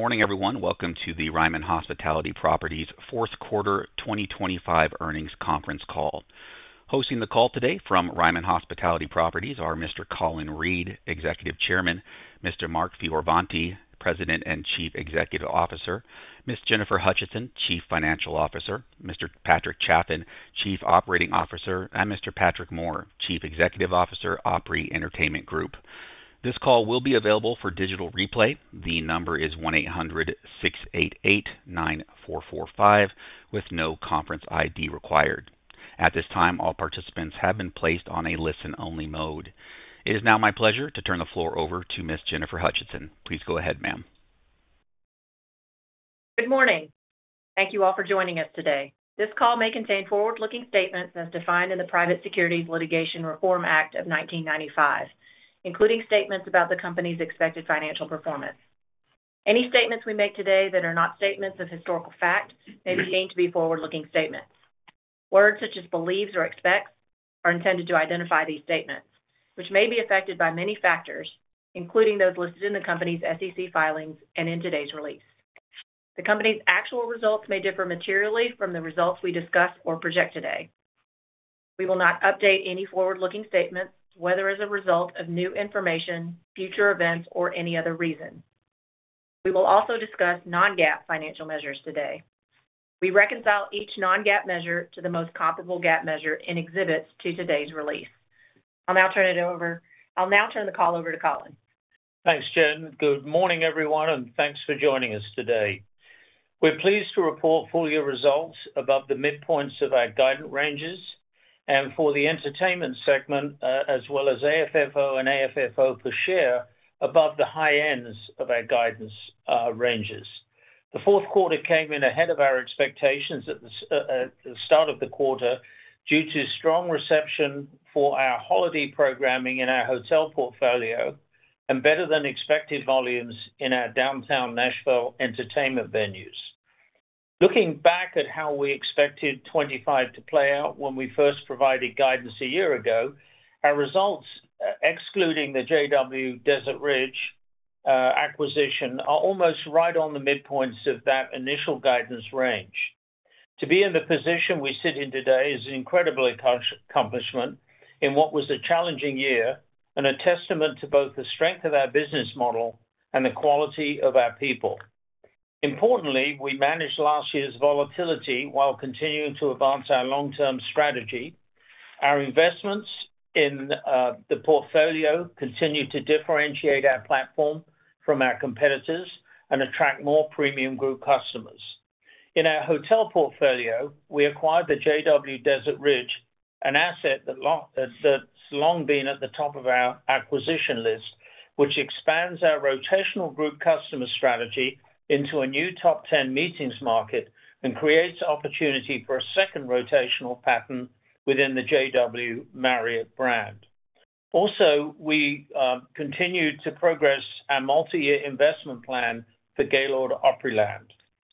Good morning, everyone. Welcome to the Ryman Hospitality Properties Fourth Quarter 2025 Earnings Conference Call. Hosting the call today from Ryman Hospitality Properties are Mr. Colin Reed, Executive Chairman, Mr. Mark Fioravanti, President and Chief Executive Officer, Ms. Jennifer Hutcheson, Chief Financial Officer, Mr. Patrick Chaffin, Chief Operating Officer, and Mr. Patrick Moore, Chief Executive Officer, Opry Entertainment Group. This call will be available for digital replay. The number is 1-800-688-9445, with no conference ID required. At this time, all participants have been placed on a listen-only mode. It is now my pleasure to turn the floor over to Ms. Jennifer Hutcheson. Please go ahead, ma'am. Good morning. Thank you all for joining us today. This call may contain forward-looking statements as defined in the Private Securities Litigation Reform Act of 1995, including statements about the company's expected financial performance. Any statements we make today that are not statements of historical fact may be deemed to be forward-looking statements. Words such as believes or expects are intended to identify these statements, which may be affected by many factors, including those listed in the company's SEC filings and in today's release. The company's actual results may differ materially from the results we discuss or project today. We will not update any forward-looking statements, whether as a result of new information, future events, or any other reason. We will also discuss non-GAAP financial measures today. We reconcile each non-GAAP measure to the most comparable GAAP measure in exhibits to today's release. I'll now turn the call over to Colin. Thanks, Jen. Good morning, everyone. Thanks for joining us today. We're pleased to report full year results above the midpoints of our guidance ranges, for the entertainment segment, as well as AFFO and AFFO per share above the high ends of our guidance ranges. The fourth quarter came in ahead of our expectations at the start of the quarter, due to strong reception for our holiday programming in our hotel portfolio and better than expected volumes in our downtown Nashville entertainment venues. Looking back at how we expected 2025 to play out when we first provided guidance a year ago, our results, excluding the JW Desert Ridge acquisition, are almost right on the midpoints of that initial guidance range. To be in the position we sit in today is an incredible accomplishment in what was a challenging year and a testament to both the strength of our business model and the quality of our people. Importantly, we managed last year's volatility while continuing to advance our long-term strategy. Our investments in the portfolio continued to differentiate our platform from our competitors and attract more premium group customers. In our hotel portfolio, we acquired the JW Desert Ridge, an asset that's long been at the top of our acquisition list, which expands our rotational group customer strategy into a new top 10 meetings market and creates opportunity for a second rotational pattern within the JW Marriott brand. Also, we continued to progress our multi-year investment plan for Gaylord Opryland.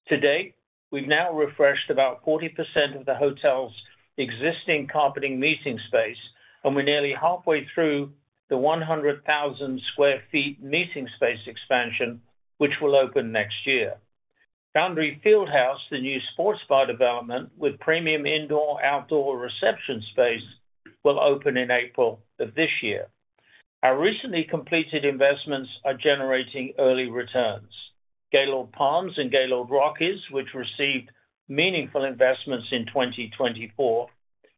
To date, we've now refreshed about 40% of the hotel's existing carpeting meeting space, and we're nearly halfway through the 100,000 sq ft meeting space expansion, which will open next year. Foundry Fieldhouse, the new sports bar development with premium indoor-outdoor reception space, will open in April of this year. Our recently completed investments are generating early returns. Gaylord Palms and Gaylord Rockies, which received meaningful investments in 2024,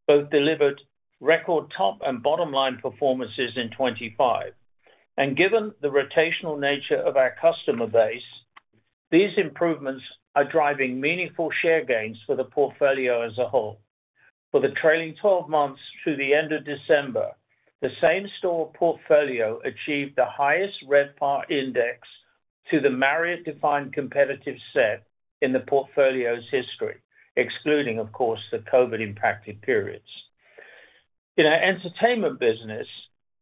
both delivered record top and bottom line performances in 25. Given the rotational nature of our customer base, these improvements are driving meaningful share gains for the portfolio as a whole. For the trailing 12 months through the end of December, the same-store portfolio achieved the highest RevPAR index to the Marriott-defined competitive set in the portfolio's history, excluding, of course, the COVID-impacted periods. In our entertainment business,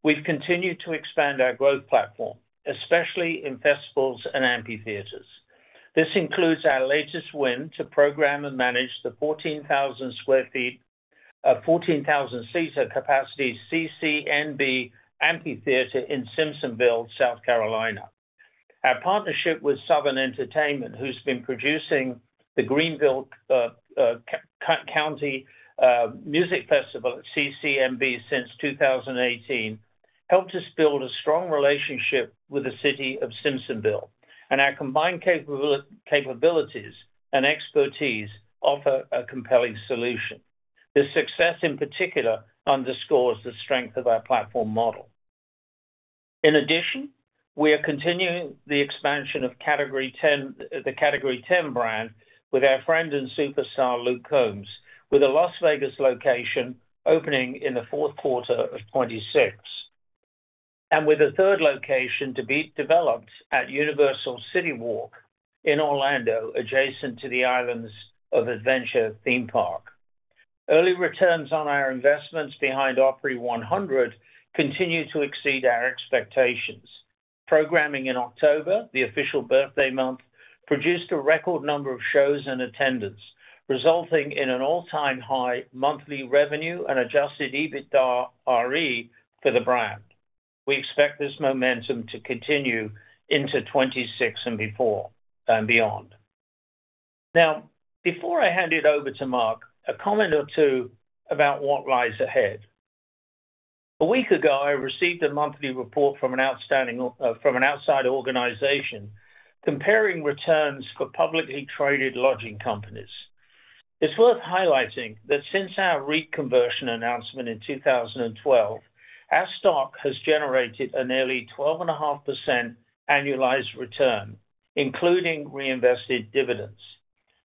we've continued to expand our growth platform, especially in festivals and amphitheaters. This includes our latest win to program and manage the 14,000 sq ft, 14,000-seater capacity, CCNB Amphitheater in Simpsonville, South Carolina. Our partnership with Southern Entertainment, who's been producing the Greenville County Music Festival at CCNB since 2018, helped us build a strong relationship with the city of Simpsonville, and our combined capabilities and expertise offer a compelling solution. This success, in particular, underscores the strength of our platform model. We are continuing the expansion of the Category 10 brand with our friend and superstar, Luke Combs, with a Las Vegas location opening in the fourth quarter of 2026, and with a third location to be developed at Universal City Walk in Orlando, adjacent to the Islands of Adventure theme park. Early returns on our investments behind Opry 100 continue to exceed our expectations. Programming in October, the official birthday month, produced a record number of shows and attendance, resulting in an all-time high monthly revenue and adjusted EBITDAre for the brand. We expect this momentum to continue into 2026 and beyond. Before I hand it over to Mark, a comment or two about what lies ahead. A week ago, I received a monthly report from an outside organization comparing returns for publicly traded lodging companies. It's worth highlighting that since our REIT conversion announcement in 2012, our stock has generated a nearly 12.5% annualized return, including reinvested dividends.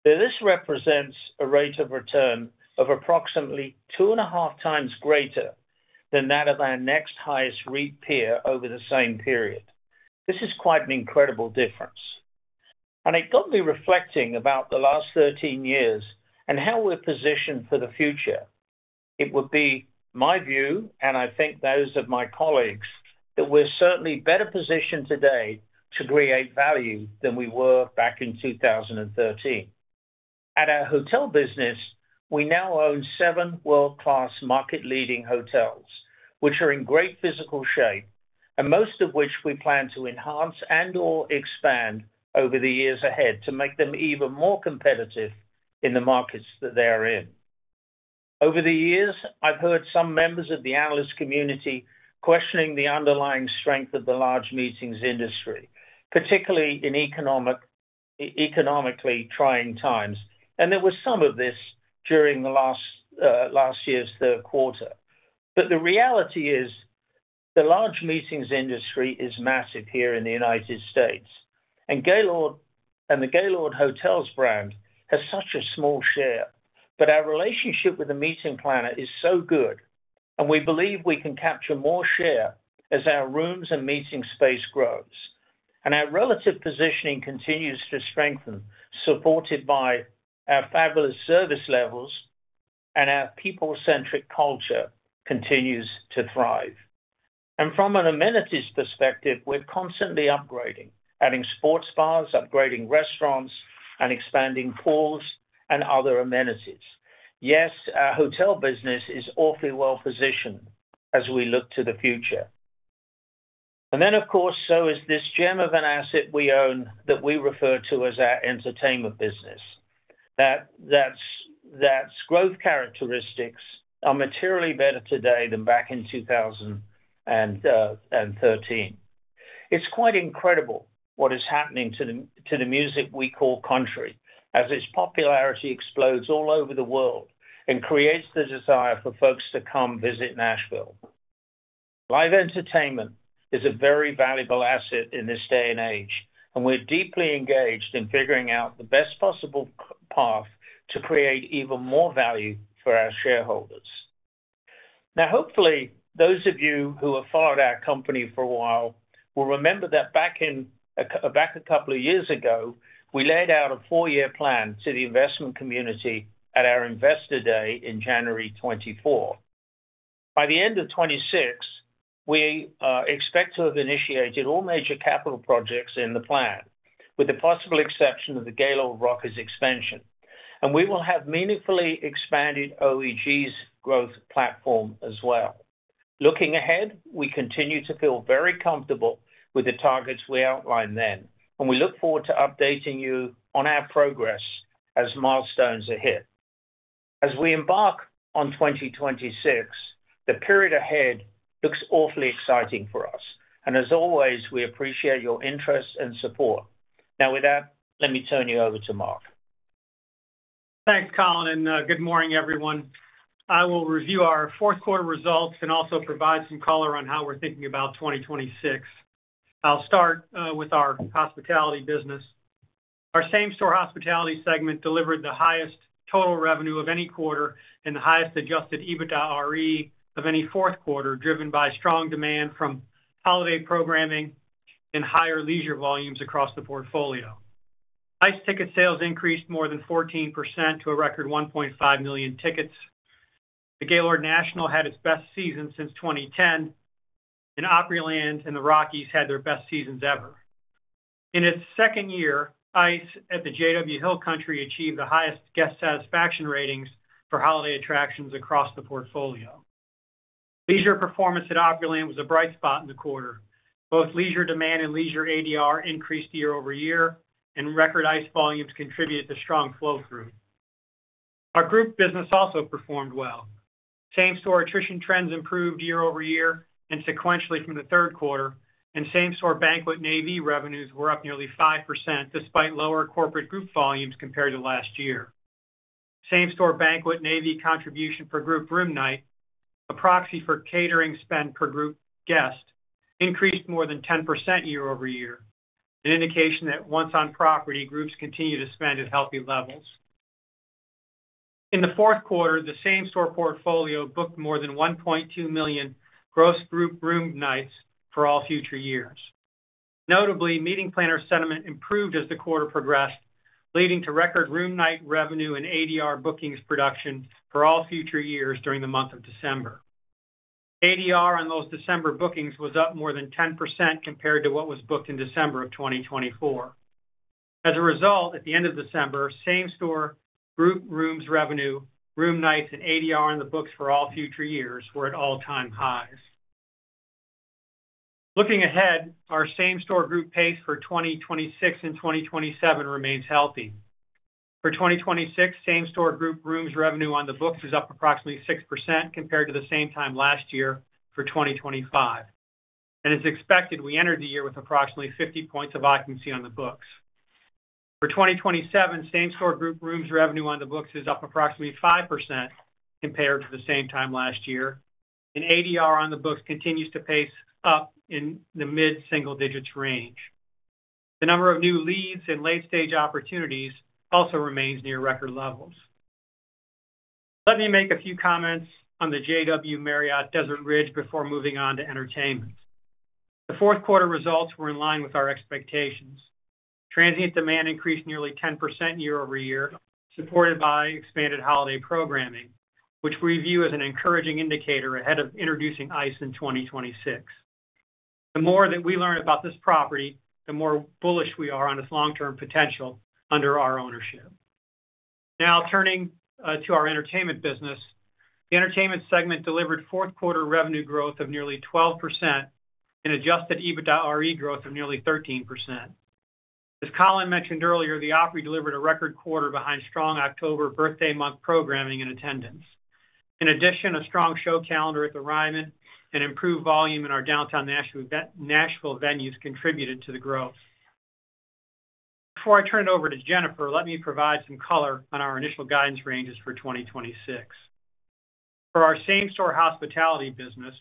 This represents a rate of return of approximately 2.5x greater than that of our next highest REIT peer over the same period. This is quite an incredible difference, and it got me reflecting about the last 13 years and how we're positioned for the future. It would be my view, and I think those of my colleagues, that we're certainly better positioned today to create value than we were back in 2013. At our hotel business, we now own seven world-class market-leading hotels, which are in great physical shape, and most of which we plan to enhance and/or expand over the years ahead to make them even more competitive in the markets that they are in. Over the years, I've heard some members of the analyst community questioning the underlying strength of the large meetings industry, particularly in economically trying times, and there was some of this during the last year's third quarter. The reality is, the large meetings industry is massive here in the United States, and the Gaylord Hotels brand has such a small share. Our relationship with the meeting planner is so good, and we believe we can capture more share as our rooms and meeting space grows. Our relative positioning continues to strengthen, supported by our fabulous service levels, and our people-centric culture continues to thrive. From an amenities perspective, we're constantly upgrading, adding sports bars, upgrading restaurants, and expanding pools and other amenities. Yes, our hotel business is awfully well positioned as we look to the future. Of course, this gem of an asset we own that we refer to as our entertainment business, that's growth characteristics are materially better today than back in 2013. It's quite incredible what is happening to the music we call country, as its popularity explodes all over the world and creates the desire for folks to come visit Nashville. Live entertainment is a very valuable asset in this day and age, we're deeply engaged in figuring out the best possible path to create even more value for our shareholders. Hopefully, those of you who have followed our company for a while will remember that back a couple of years ago, we laid out a four-year plan to the investment community at our Investor Day in January 2024. By the end of 2026, we expect to have initiated all major capital projects in the plan, with the possible exception of the Gaylord Rockies expansion. We will have meaningfully expanded OEG's growth platform as well. Looking ahead, we continue to feel very comfortable with the targets we outlined then, and we look forward to updating you on our progress as milestones are hit. As we embark on 2026, the period ahead looks awfully exciting for us, and as always, we appreciate your interest and support. With that, let me turn you over to Mark. Thanks, Colin. Good morning, everyone. I will review our fourth quarter results and also provide some color on how we're thinking about 2026. I'll start with our hospitality business. Our same-store hospitality segment delivered the highest total revenue of any quarter and the highest adjusted EBITDAre of any fourth quarter, driven by strong demand from holiday programming and higher leisure volumes across the portfolio. ICE! ticket sales increased more than 14% to a record 1.5 million tickets. The Gaylord National had its best season since 2010, and Opryland and the Rockies had their best seasons ever. In its second year, ICE! at the JW Hill Country achieved the highest guest satisfaction ratings for holiday attractions across the portfolio. Leisure performance at Opryland was a bright spot in the quarter. Both leisure demand and leisure ADR increased year-over-year, and record ICE! volumes contributed to strong flow through. Our group business also performed well. Same-store attrition trends improved year-over-year and sequentially from the third quarter, and same-store banquet NAV revenues were up nearly 5%, despite lower corporate group volumes compared to last year. Same-store banquet NAV contribution for group room night, a proxy for catering spend per group guest, increased more than 10% year-over-year, an indication that once on property, groups continue to spend at healthy levels. In the fourth quarter, the same-store portfolio booked more than 1.2 million gross group room nights for all future years. Notably, meeting planner sentiment improved as the quarter progressed, leading to record room night revenue and ADR bookings production for all future years during the month of December. ADR on those December bookings was up more than 10% compared to what was booked in December of 2024. As a result, at the end of December, same-store group rooms revenue, room nights, and ADR on the books for all future years were at all-time highs. Looking ahead, our same-store group pace for 2026 and 2027 remains healthy. For 2026, same-store group rooms revenue on the books is up approximately 6% compared to the same time last year for 2025. As expected, we entered the year with approximately 50 points of occupancy on the books. For 2027, same-store group rooms revenue on the books is up approximately 5% compared to the same time last year, and ADR on the books continues to pace up in the mid-single digits range. The number of new leads and late-stage opportunities also remains near record levels. Let me make a few comments on the JW Marriott Desert Ridge before moving on to entertainment. The fourth quarter results were in line with our expectations. Transient demand increased nearly 10% year-over-year, supported by expanded holiday programming, which we view as an encouraging indicator ahead of introducing ICE! in 2026. The more that we learn about this property, the more bullish we are on its long-term potential under our ownership. Turning to our entertainment business. The entertainment segment delivered fourth quarter revenue growth of nearly 12% and adjusted EBITDAre growth of nearly 13%. As Colin mentioned earlier, the Opry delivered a record quarter behind strong October birthday month programming and attendance. In addition, a strong show calendar at the Ryman and improved volume in our downtown Nashville venues contributed to the growth. Before I turn it over to Jennifer, let me provide some color on our initial guidance ranges for 2026. For our same-store hospitality business,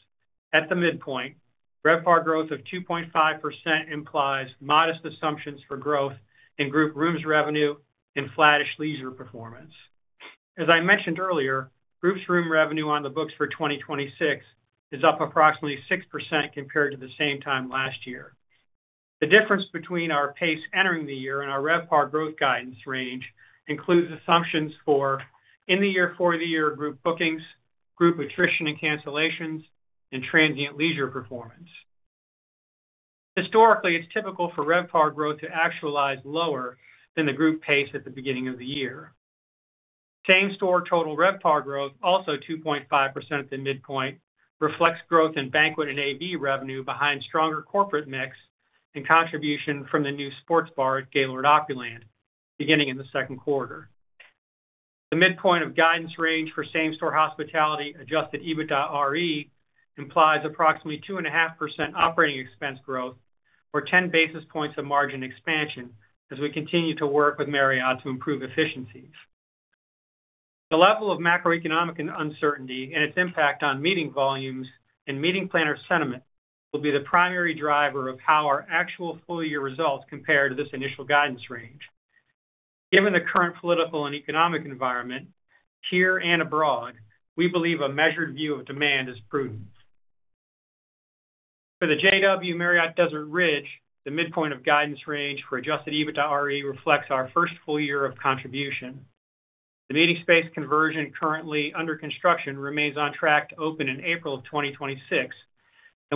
at the midpoint, RevPAR growth of 2.5% implies modest assumptions for growth in group rooms revenue and flattish leisure performance. As I mentioned earlier, groups room revenue on the books for 2026 is up approximately 6% compared to the same time last year. The difference between our pace entering the year and our RevPAR growth guidance range includes assumptions for in-the-year, for-the-year group bookings, group attrition and cancellations, and transient leisure performance. Historically, it's typical for RevPAR growth to actualize lower than the group pace at the beginning of the year. Same-store total RevPAR growth, also 2.5% at the midpoint, reflects growth in banquet and AV revenue behind stronger corporate mix and contribution from the new sports bar at Gaylord Opryland, beginning in the second quarter. The midpoint of guidance range for same-store hospitality adjusted EBITDAre implies approximately 2.5% operating expense growth or 10 basis points of margin expansion as we continue to work with Marriott to improve efficiencies. The level of macroeconomic uncertainty and its impact on meeting volumes and meeting planner sentiment will be the primary driver of how our actual full-year results compare to this initial guidance range. Given the current political and economic environment, here and abroad, we believe a measured view of demand is prudent. For the JW Marriott Desert Ridge, the midpoint of guidance range for adjusted EBITDAre reflects our first full year of contribution. The meeting space conversion currently under construction, remains on track to open in April of 2026.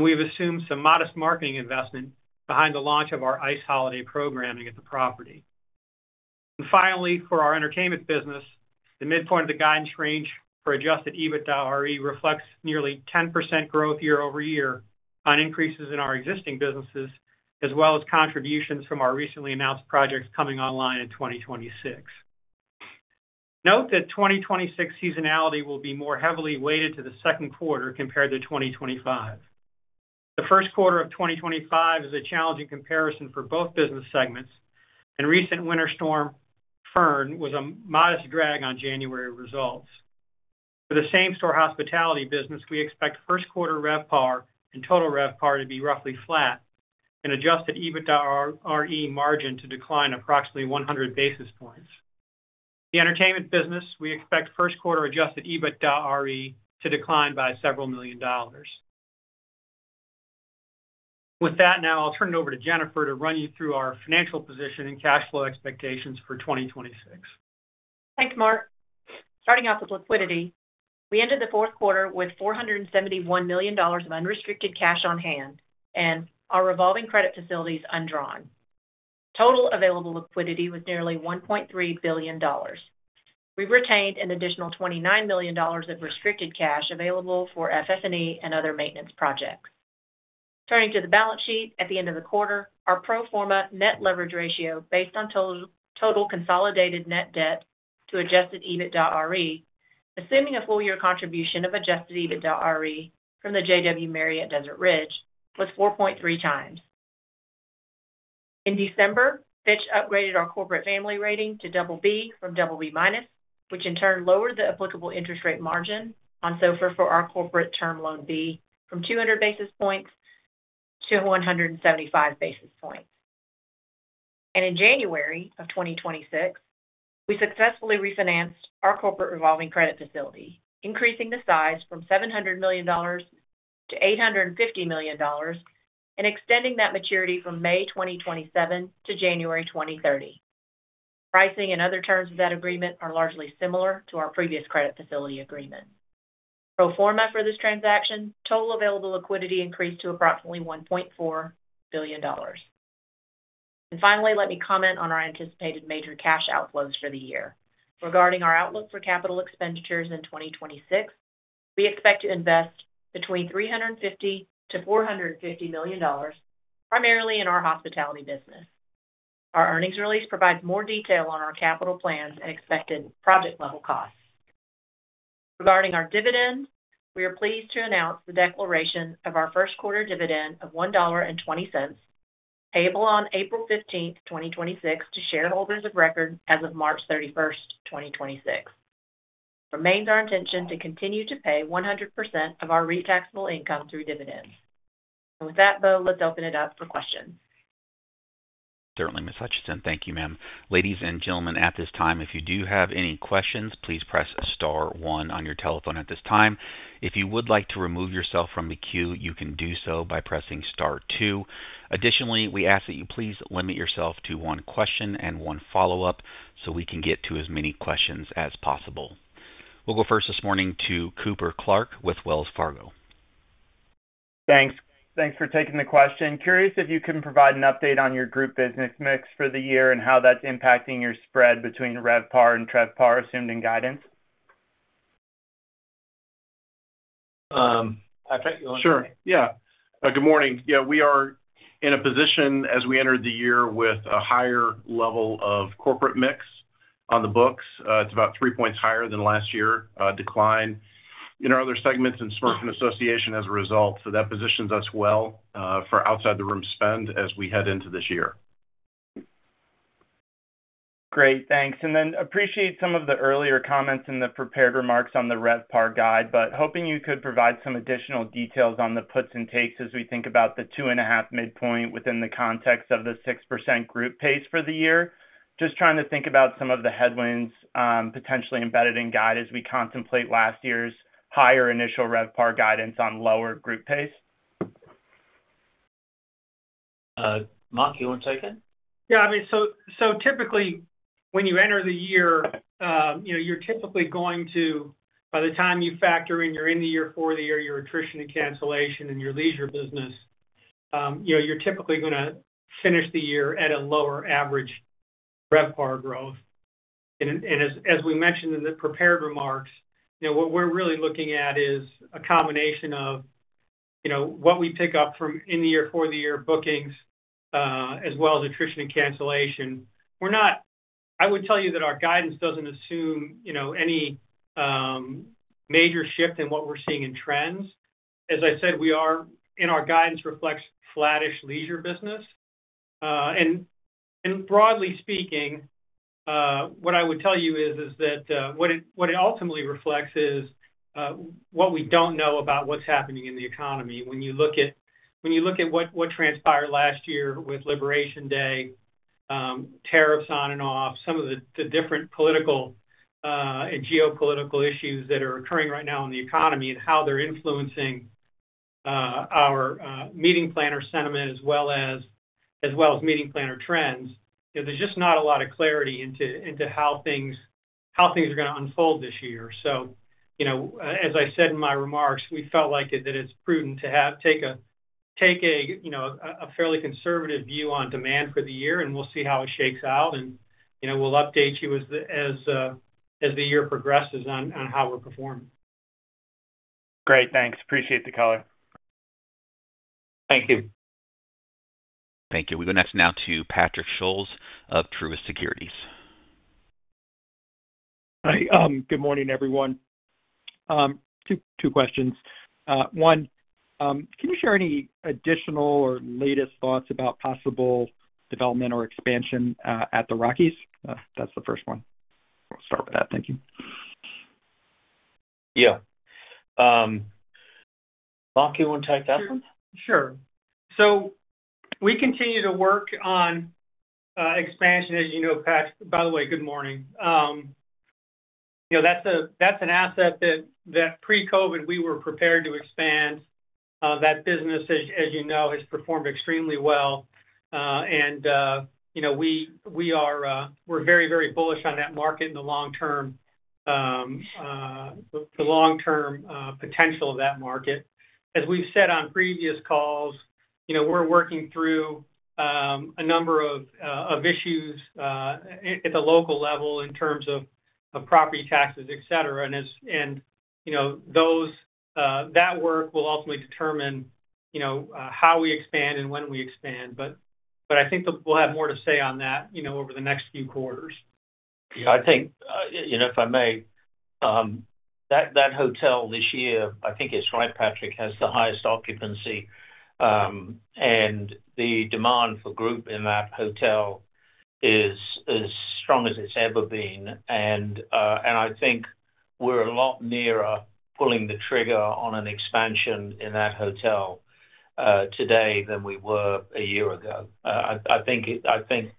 We have assumed some modest marketing investment behind the launch of our ICE! holiday programming at the property. Finally, for our entertainment business, the midpoint of the guidance range for adjusted EBITDAre reflects nearly 10% growth year-over-year on increases in our existing businesses, as well as contributions from our recently announced projects coming online in 2026. Note that 2026 seasonality will be more heavily weighted to the second quarter compared to 2025. The first quarter of 2025 is a challenging comparison for both business segments, and recent Winter Storm Fern was a modest drag on January results. For the same-store hospitality business, we expect first quarter RevPAR and total RevPAR to be roughly flat and adjusted EBITDAre margin to decline approximately 100 basis points. The entertainment business, we expect first quarter adjusted EBITDAre to decline by several million dollars. With that, now I'll turn it over to Jennifer to run you through our financial position and cash flow expectations for 2026. Thanks, Mark. Starting off with liquidity, we ended the fourth quarter with $471 million of unrestricted cash on hand and our revolving credit facilities undrawn. Total available liquidity was nearly $1.3 billion. We've retained an additional $29 million of restricted cash available for FF&E and other maintenance projects. Turning to the balance sheet, at the end of the quarter, our pro forma net leverage ratio, based on total consolidated net debt to adjusted EBITDAre, assuming a full year contribution of adjusted EBITDAre from the JW Marriott Desert Ridge, was 4.3x. In December, Fitch upgraded our corporate family rating to BB from BB-, which in turn lowered the applicable interest rate margin on SOFR for our corporate Term Loan B from 200 basis points to 175 basis points. In January of 2026, we successfully refinanced our corporate revolving credit facility, increasing the size from $700 million to $850 million, and extending that maturity from May 2027 to January 2030.... pricing and other terms of that agreement are largely similar to our previous credit facility agreement. Pro forma for this transaction, total available liquidity increased to approximately $1.4 billion. Finally, let me comment on our anticipated major cash outflows for the year. Regarding our outlook for capital expenditures in 2026, we expect to invest between $350 million and $450 million, primarily in our hospitality business. Our earnings release provides more detail on our capital plans and expected project level costs. Regarding our dividend, we are pleased to announce the declaration of our first quarter dividend of $1.20, payable on April 15th, 2026, to shareholders of record as of March 31st, 2026. Remains our intention to continue to pay 100% of our re-taxable income through dividends. With that, Bo, let's open it up for questions. Certainly, Ms. Hutcheson. Thank you, ma'am. Ladies and gentlemen, at this time, if you do have any questions, please press star one on your telephone at this time. If you would like to remove yourself from the queue, you can do so by pressing star two. Additionally, we ask that you please limit yourself to one question and one follow-up so we can get to as many questions as possible. We'll go first this morning to Cooper Clark with Wells Fargo. Thanks. Thanks for taking the question. Curious if you can provide an update on your group business mix for the year and how that's impacting your spread between RevPAR and TRevPAR assumed in guidance? I think. Sure. Yeah. Good morning. Yeah, we are in a position as we entered the year with a higher level of corporate mix on the books. It's about 3 points higher than last year, decline in our other segments and SMERF and Association as a result. That positions us well, for outside the room spend as we head into this year. Great, thanks. Appreciate some of the earlier comments in the prepared remarks on the RevPAR guide, but hoping you could provide some additional details on the puts and takes as we think about the 2.5 midpoint within the context of the 6% group pace for the year? Trying to think about some of the headwinds potentially embedded in guide as we contemplate last year's higher initial RevPAR guidance on lower group pace. Mark, you want to take it? Yeah, I mean, so typically, when you enter the year, you're typically going to, by the time you factor in your in-the-year, for-the-year, your attrition and cancellation in your leisure business, you're typically gonna finish the year at a lower average RevPAR growth. As we mentioned in the prepared remarks, what we're really looking at is a combination of what we pick up from in-the-year, for-the-year bookings, as well as attrition and cancellation. I would tell you that our guidance doesn't assume any major shift in what we're seeing in trends. As I said, we are, and our guidance reflects flattish leisure business. Broadly speaking, what I would tell you is that what it ultimately reflects is what we don't know about what's happening in the economy. When you look at what transpired last year with Liberation Day, tariffs on and off, some of the different political and geopolitical issues that are occurring right now in the economy and how they're influencing our meeting planner sentiment, as well as meeting planner trends, there's just not a lot of clarity into how things are going to unfold this year. You know, as I said in my remarks, we felt like it, that it's prudent to take a, you know, a fairly conservative view on demand for the year, and we'll see how it shakes out. You know, we'll update you as the, as the year progresses on how we're performing. Great. Thanks. Appreciate the color. Thank you. Thank you. We go next now to Patrick Scholes of Truist Securities. Hi, good morning, everyone. Two questions. One, can you share any additional or latest thoughts about possible development or expansion at the Rockies? That's the first one. We'll start with that. Thank you. Yeah. Mark, you want to take that one? Sure. We continue to work on expansion, as you know, Pat. By the way, good morning. You know, that's an asset that pre-COVID, we were prepared to expand. That business, as you know, has performed extremely well. You know, we're very, very bullish on that market in the long term, the long-term potential of that market. As we've said on previous calls, you know, we're working through a number of issues at the local level in terms of property taxes, et cetera. As, you know, those that work will ultimately determine, you know, how we expand and when we expand. I think we'll have more to say on that, you know, over the next few quarters. Yeah, I think, you know, if I may, that hotel this year, I think it's right, Patrick, has the highest occupancy, and the demand for group in that hotel is as strong as it's ever been. I think we're a lot nearer pulling the trigger on an expansion in that hotel today than we were a year ago. I think it, I think,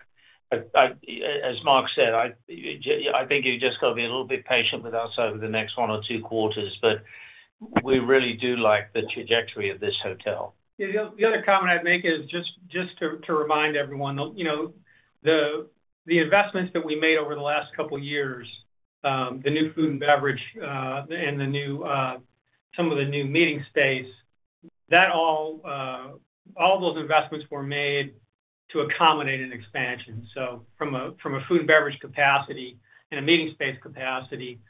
as Mark said, I think you've just got to be a little bit patient with us over the next one or two quarters. We really do like the trajectory of this hotel. Yeah, the other comment I'd make is just to remind everyone, you know, the investments that we made over the last couple of years, the new food and beverage, and the new, some of the new meeting space, that all those investments were made to accommodate an expansion. From a food and beverage capacity and a meeting space capacity,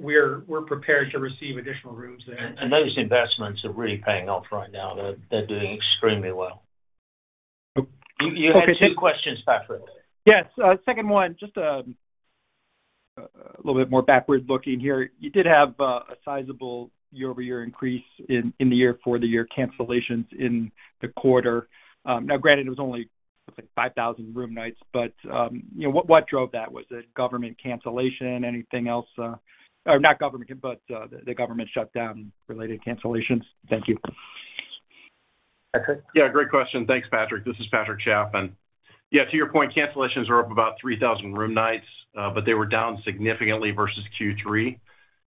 we're prepared to receive additional rooms there. Those investments are really paying off right now. They're doing extremely well. You had two questions, Patrick. Yes. Second one, just a little bit more backward looking here. You did have, a sizable year-over-year increase in the year for the year cancellations in the quarter. Now, granted, it was only, like, 5,000 room nights, but, you know, what drove that? Was it government cancellation, anything else, or not government, but, the government shutdown related cancellations? Thank you. Patrick? Great question. Thanks, Patrick. This is Patrick Chaffin. To your point, cancellations are up about 3,000 room nights, but they were down significantly versus Q3,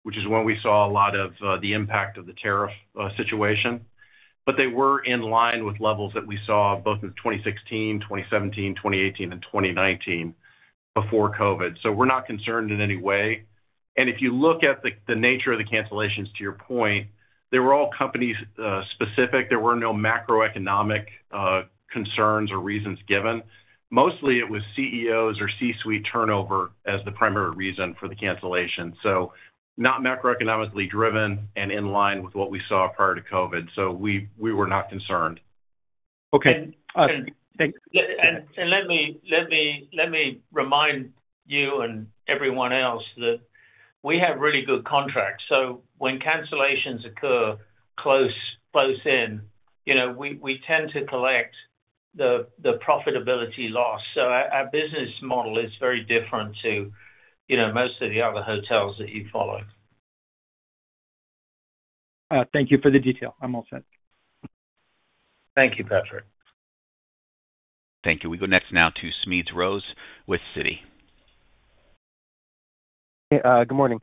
which is when we saw a lot of the impact of the tariff situation. They were in line with levels that we saw both in 2016, 2017, 2018, and 2019 before COVID. We're not concerned in any way. If you look at the nature of the cancellations, to your point, they were all company specific. There were no macroeconomic concerns or reasons given. Mostly it was CEOs or C-suite turnover as the primary reason for the cancellation. Not macroeconomically driven and in line with what we saw prior to COVID, so we were not concerned. Okay. Thanks. Let me remind you and everyone else that we have really good contracts. When cancellations occur close in, you know, we tend to collect the profitability loss. Our business model is very different to, you know, most of the other hotels that you follow. Thank you for the detail. I'm all set. Thank you, Patrick. Thank you. We go next now to Smedes Rose with Citi. Good morning.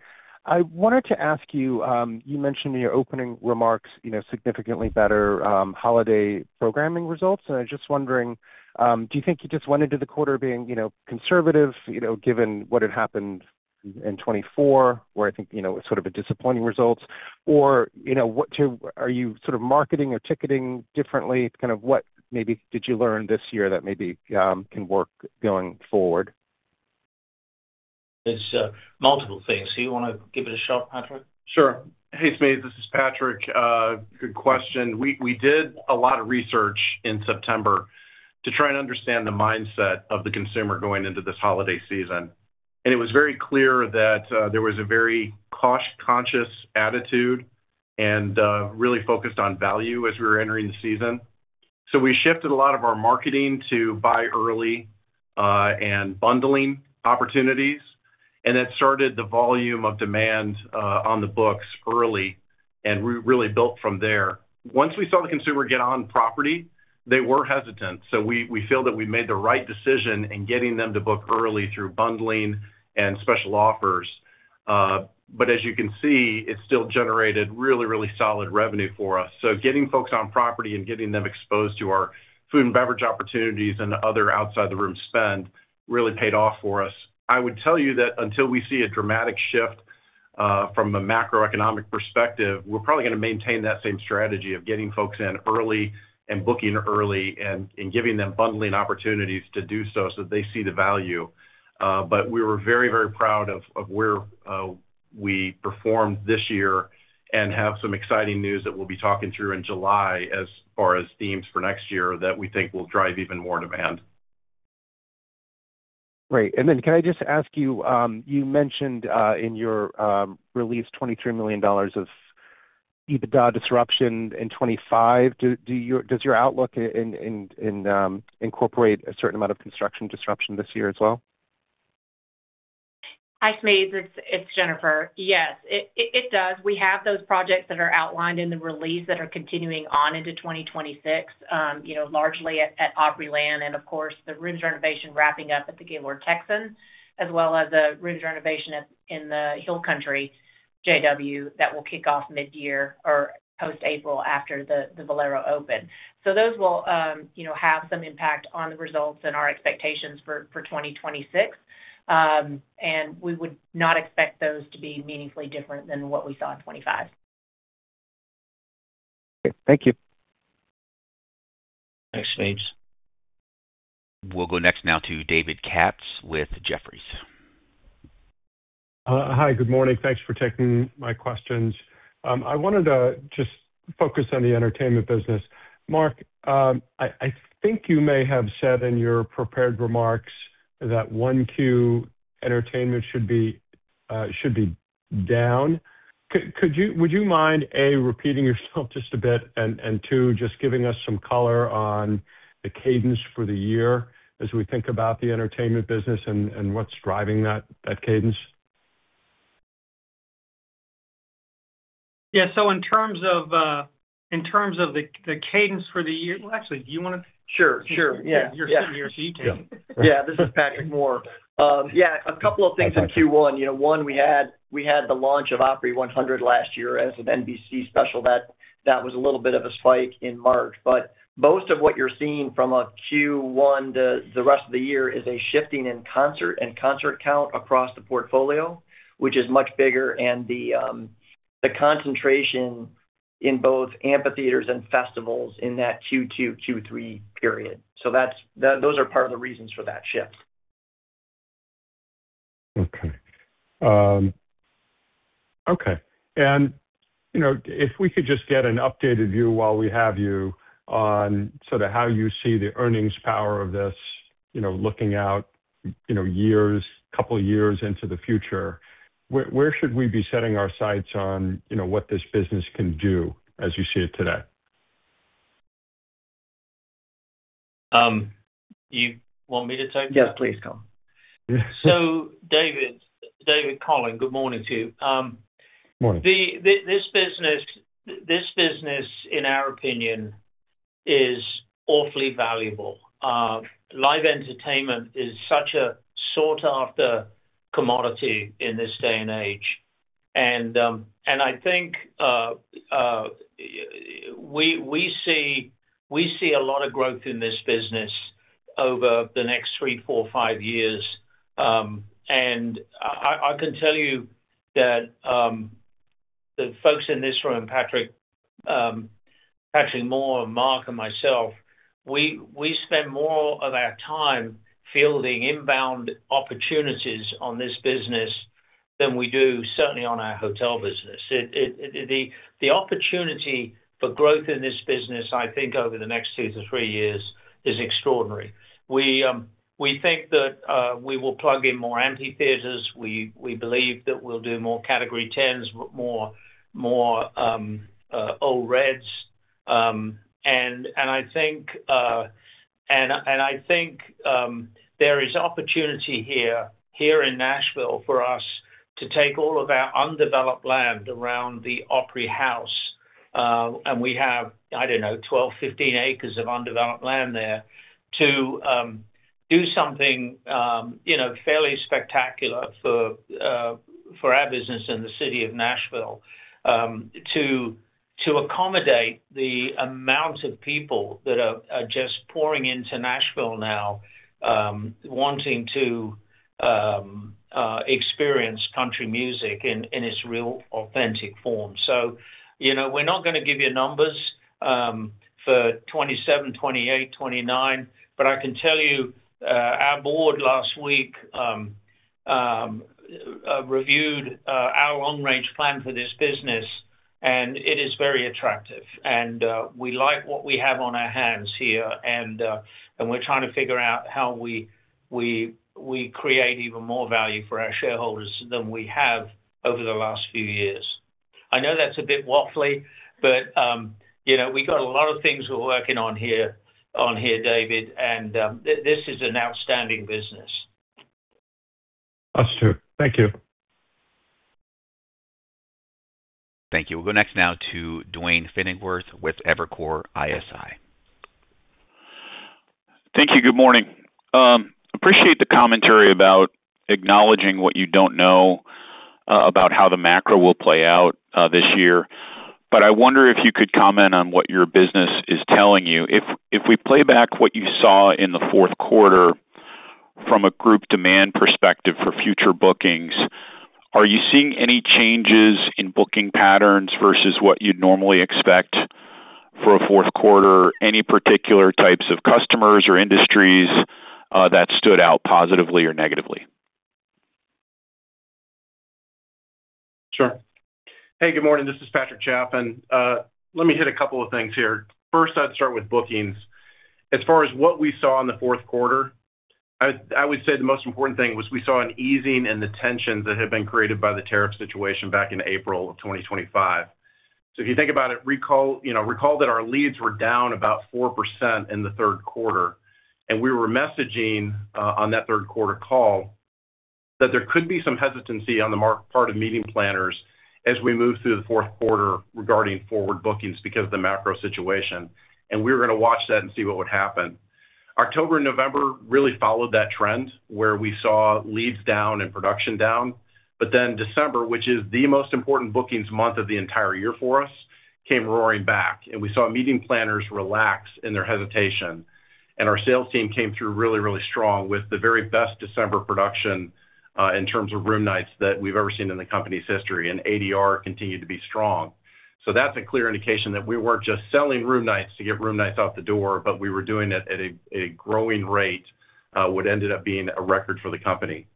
I wanted to ask you mentioned in your opening remarks, you know, significantly better, holiday programming results, and I was just wondering, do you think you just went into the quarter being, you know, conservative, you know, given what had happened in 2024, where I think, you know, it was sort of a disappointing results? You know, what are you sort of marketing or ticketing differently? What maybe did you learn this year that maybe can work going forward? It's multiple things. Do you want to give it a shot, Patrick? Sure. Hey, Smedes, this is Patrick. Good question. We did a lot of research in September to try and understand the mindset of the consumer going into this holiday season. It was very clear that there was a very cost-conscious attitude and really focused on value as we were entering the season. We shifted a lot of our marketing to buy early and bundling opportunities. That started the volume of demand on the books early. We really built from there. Once we saw the consumer get on property, they were hesitant. We feel that we made the right decision in getting them to book early through bundling and special offers. As you can see, it still generated really, really solid revenue for us. Getting folks on property and getting them exposed to our food and beverage opportunities and other outside the room spend really paid off for us. I would tell you that until we see a dramatic shift from a macroeconomic perspective, we're probably gonna maintain that same strategy of getting folks in early and booking early and giving them bundling opportunities to do so they see the value. We were very, very proud of where we performed this year and have some exciting news that we'll be talking through in July as far as themes for next year that we think will drive even more demand. Great. then can I just ask you mentioned, in your release, $23 million of EBITDA disruption in 2025. Does your outlook in incorporate a certain amount of construction disruption this year as well? Hi, Smedes. It's Jennifer. Yes, it does. We have those projects that are outlined in the release that are continuing on into 2026, you know, largely at Opryland, and of course, the rooms renovation wrapping up at the Gaylord Texan, as well as the rooms renovation at, in the Hill Country JW that will kick off mid-year or post-April after the Valero Texas Open. Those will, you know, have some impact on the results and our expectations for 2026. We would not expect those to be meaningfully different than what we saw in 25. Thank you. Thanks, Smedes. We'll go next now to David Katz with Jefferies. Hi, good morning. Thanks for taking my questions. I wanted to just focus on the entertainment business. Mark, I think you may have said in your prepared remarks that 1Q entertainment should be down. Would you mind, A, repeating yourself just a bit, and two, just giving us some color on the cadence for the year as we think about the entertainment business and what's driving that cadence? Yeah, in terms of In terms of the cadence for the year, well, actually, do you want to? Sure, sure. Yeah. You're sitting here, so you can. Yeah, this is Patrick Moore. Yeah, a couple of things in Q1. You know, one, we had the launch of Opry 100 last year as an NBC special. That was a little bit of a spike in March, but most of what you're seeing from a Q1 to the rest of the year is a shifting in concert and concert count across the portfolio, which is much bigger, and the concentration in both amphitheaters and festivals in that Q2, Q3 period. Those are part of the reasons for that shift. Okay. Okay, and, you know, if we could just get an updated view while we have you on sort of how you see the earnings power of this, you know, looking out, you know, years, couple years into the future, where should we be setting our sights on, you know, what this business can do as you see it today? You want me to take that? Yes, please, Colin. David Colin, good morning to you. Morning. This business, in our opinion, is awfully valuable. Live entertainment is such a sought-after commodity in this day and age. I think we see a lot of growth in this business over the next 3, 4, 5 years. I can tell you that the folks in this room, Patrick Moore, Mark, and myself, we spend more of our time fielding inbound opportunities on this business than we do certainly on our hotel business. The opportunity for growth in this business, I think, over the next 2 to 3 years is extraordinary. We think that we will plug in more amphitheaters. We believe that we'll do more Category 10s, more Ole Red. I think, there is opportunity here in Nashville for us to take all of our undeveloped land around the Opry House, and we have, I don't know, 12, 15 acres of undeveloped land there, to do something, you know, fairly spectacular for our business in the city of Nashville, to accommodate the amount of people that are just pouring into Nashville now, wanting to experience country music in its real authentic form. You know, we're not gonna give you numbers for 27, 28, 29, but I can tell you, our board last week reviewed our long-range plan for this business, and it is very attractive, and we like what we have on our hands here, and we're trying to figure out how we create even more value for our shareholders than we have over the last few years. I know that's a bit waffly, but, you know, we got a lot of things we're working on here, David, and this is an outstanding business. Us, too. Thank you. Thank you. We'll go next now to Duane Pfennigwerth with Evercore ISI. Thank you. Good morning. appreciate the commentary about acknowledging what you don't know, about how the macro will play out this year. I wonder if you could comment on what your business is telling you. If we play back what you saw in the fourth quarter from a group demand perspective for future bookings, are you seeing any changes in booking patterns versus what you'd normally expect for a fourth quarter? Any particular types of customers or industries that stood out positively or negatively? Sure. Hey, good morning. This is Patrick Chaffin. Let me hit a couple of things here. First, I'd start with bookings. As far as what we saw in the fourth quarter, I would say the most important thing was we saw an easing in the tensions that had been created by the tariff situation back in April 2025. If you think about it, recall, you know, recall that our leads were down about 4% in the third quarter, and we were messaging on that third quarter call that there could be some hesitancy on the part of meeting planners as we move through the fourth quarter regarding forward bookings because of the macro situation, and we were gonna watch that and see what would happen. October and November really followed that trend, where we saw leads down and production down, but then December, which is the most important bookings month of the entire year for us, came roaring back, and we saw meeting planners relax in their hesitation, and our sales team came through really, really strong with the very best December production, in terms of room nights that we've ever seen in the company's history, and ADR continued to be strong. That's a clear indication that we weren't just selling room nights to get room nights out the door, but we were doing it at a growing rate, what ended up being a record for the company.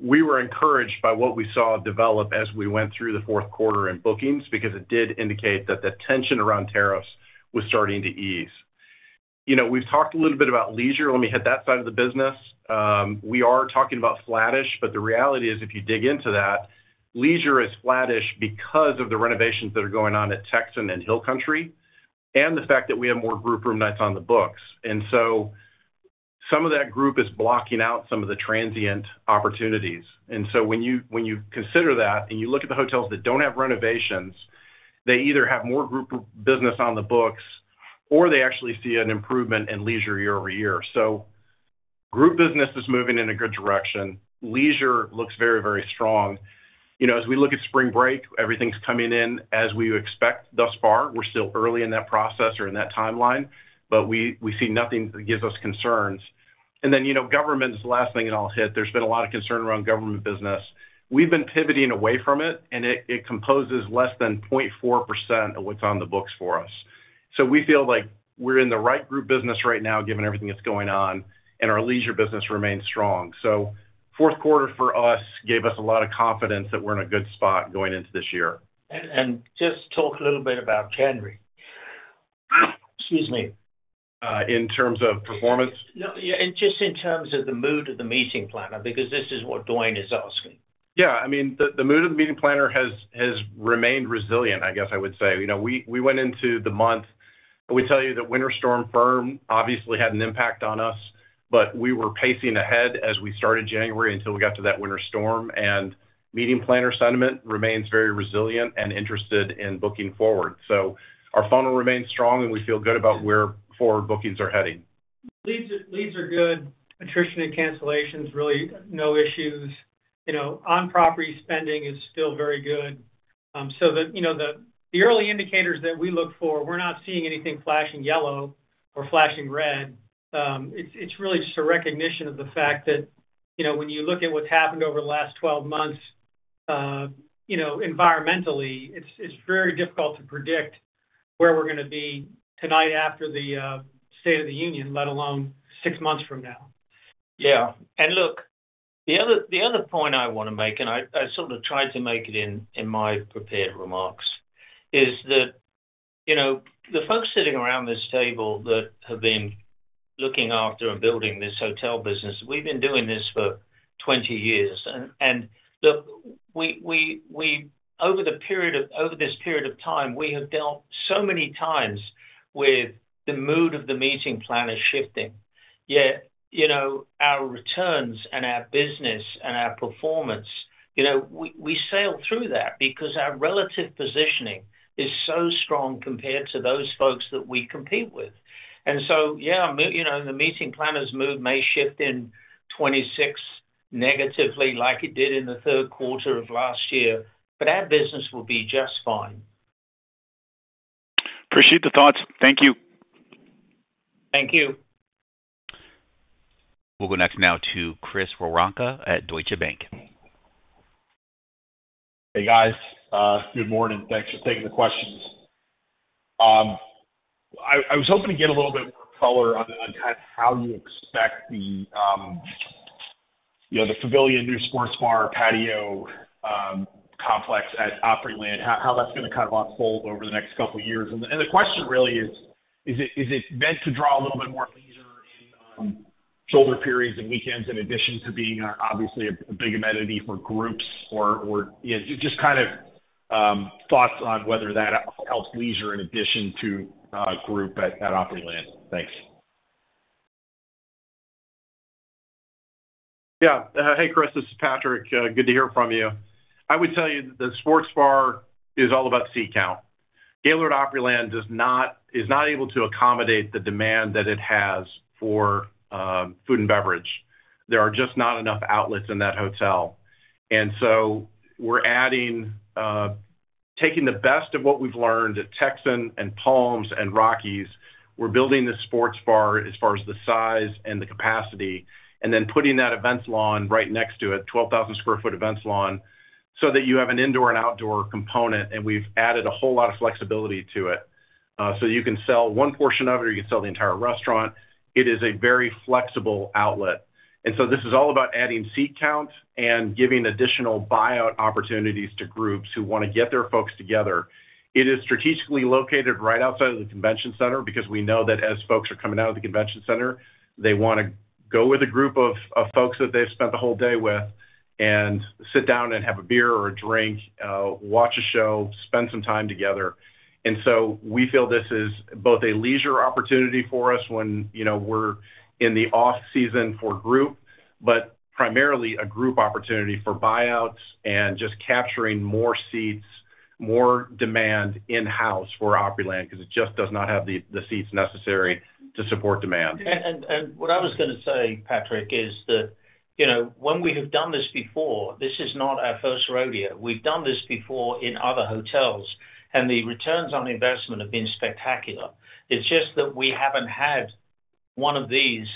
We were encouraged by what we saw develop as we went through the fourth quarter in bookings, because it did indicate that the tension around tariffs was starting to ease. You know, we've talked a little bit about leisure. Let me hit that side of the business. We are talking about flattish, but the reality is, if you dig into that, leisure is flattish because of the renovations that are going on at Texan and Hill Country, and the fact that we have more group room nights on the books. Some of that group is blocking out some of the transient opportunities. When you, when you consider that and you look at the hotels that don't have renovations, they either have more group business on the books, or they actually see an improvement in leisure year-over-year. Group business is moving in a good direction. Leisure looks very, very strong. You know, as we look at spring break, everything's coming in as we would expect thus far. We're still early in that process or in that timeline, but we see nothing that gives us concerns. You know, government is the last thing and I'll hit. There's been a lot of concern around government business. We've been pivoting away from it, and it composes less than 0.4% of what's on the books for us. We feel like we're in the right group business right now, given everything that's going on, and our leisure business remains strong. Fourth quarter for us, gave us a lot of confidence that we're in a good spot going into this year. Just talk a little bit about Chenry. Excuse me. In terms of performance? No, yeah, just in terms of the mood of the meeting planner, because this is what Duane is asking. Yeah, I mean, the mood of the meeting planner has remained resilient, I guess I would say. You know, we went into the month, and we tell you that Winter Storm Fern obviously had an impact on us, but we were pacing ahead as we started January until we got to that winter storm, and meeting planner sentiment remains very resilient and interested in booking forward. Our funnel remains strong, and we feel good about where forward bookings are heading. Leads are good. Attrition and cancellations, really no issues. You know, on-property spending is still very good. You know, the early indicators that we look for, we're not seeing anything flashing yellow or flashing red. It's really just a recognition of the fact that, you know, when you look at what's happened over the last 12 months, you know, environmentally, it's very difficult to predict where we're going to be tonight after the State of the Union, let alone six months from now. Yeah. Look, the other point I want to make, and I sort of tried to make it in my prepared remarks, is that, you know, the folks sitting around this table that have been looking after and building this hotel business, we've been doing this for 20 years. Look, over this period of time, we have dealt so many times with the mood of the meeting planner shifting. Yet, you know, our returns and our business and our performance, you know, we sail through that because our relative positioning is so strong compared to those folks that we compete with. Yeah, you know, the meeting planner's mood may shift in 2026 negatively, like it did in the third quarter of last year, but our business will be just fine. Appreciate the thoughts. Thank you. Thank you. We'll go next now to Chris Woronka at Deutsche Bank. Hey, guys, good morning. Thanks for taking the questions. I was hoping to get a little bit more color on kind of how you expect the, you know, the Pavilion new sports bar, patio, complex at Opryland, how that's going to kind of unfold over the next couple of years. The question really is: Is it meant to draw a little bit more leisure in shoulder periods and weekends, in addition to being, obviously, a big amenity for groups, or, you know, just kind of thoughts on whether that helps leisure in addition to group at Opryland? Thanks. Yeah. Hey, Chris, this is Patrick. Good to hear from you. I would tell you that the sports bar is all about seat count. Gaylord Opryland is not able to accommodate the demand that it has for food and beverage. There are just not enough outlets in that hotel. We're adding, taking the best of what we've learned at Texan and Palms and Rockies. We're building this sports bar as far as the size and the capacity, and then putting that events lawn right next to it, 12,000 sq ft events lawn, so that you have an indoor and outdoor component, and we've added a whole lot of flexibility to it. You can sell one portion of it, or you can sell the entire restaurant. It is a very flexible outlet. This is all about adding seat count and giving additional buyout opportunities to groups who want to get their folks together. It is strategically located right outside of the convention center because we know that as folks are coming out of the convention center, they want to go with a group of folks that they've spent the whole day with and sit down and have a beer or a drink, watch a show, spend some time together. We feel this is both a leisure opportunity for us when, you know, we're in the off-season for group, but primarily a group opportunity for buyouts and just capturing more seats, more demand in-house for Opryland, because it just does not have the seats necessary to support demand. What I was going to say, Patrick, is that, you know, when we have done this before, this is not our first rodeo. We've done this before in other hotels, and the returns on the investment have been spectacular. It's just that we haven't had one of these,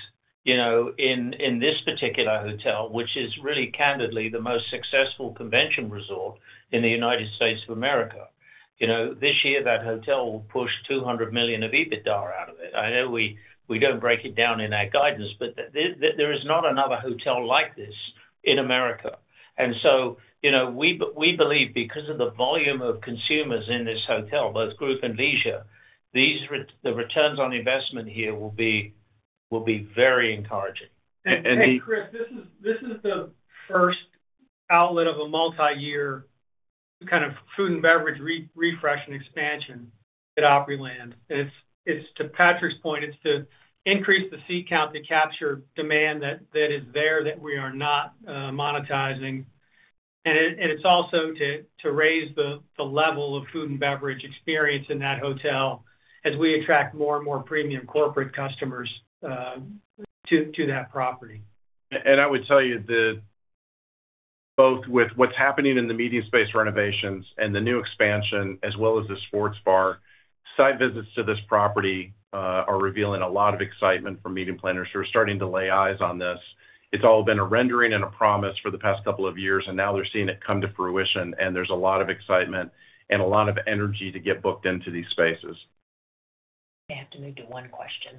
you know, in this particular hotel, which is really, candidly, the most successful convention resort in the United States of America. You know, this year, that hotel will push $200 million of EBITDA out of it. I know we don't break it down in our guidance, but there is not another hotel like this in America. You know, we believe because of the volume of consumers in this hotel, both group and leisure, the returns on investment here will be, will be very encouraging. Chris, this is the first outlet of a multi-year-.... kind of food and beverage refresh and expansion at Opryland. It's to Patrick's point, it's to increase the seat count to capture demand that is there, that we are not monetizing. It's also to raise the level of food and beverage experience in that hotel as we attract more and more premium corporate customers to that property. I would tell you that both with what's happening in the media space renovations and the new expansion, as well as the sports bar, site visits to this property are revealing a lot of excitement from meeting planners who are starting to lay eyes on this. It's all been a rendering and a promise for the past couple of years, and now they're seeing it come to fruition, and there's a lot of excitement and a lot of energy to get booked into these spaces. We have to move to one question.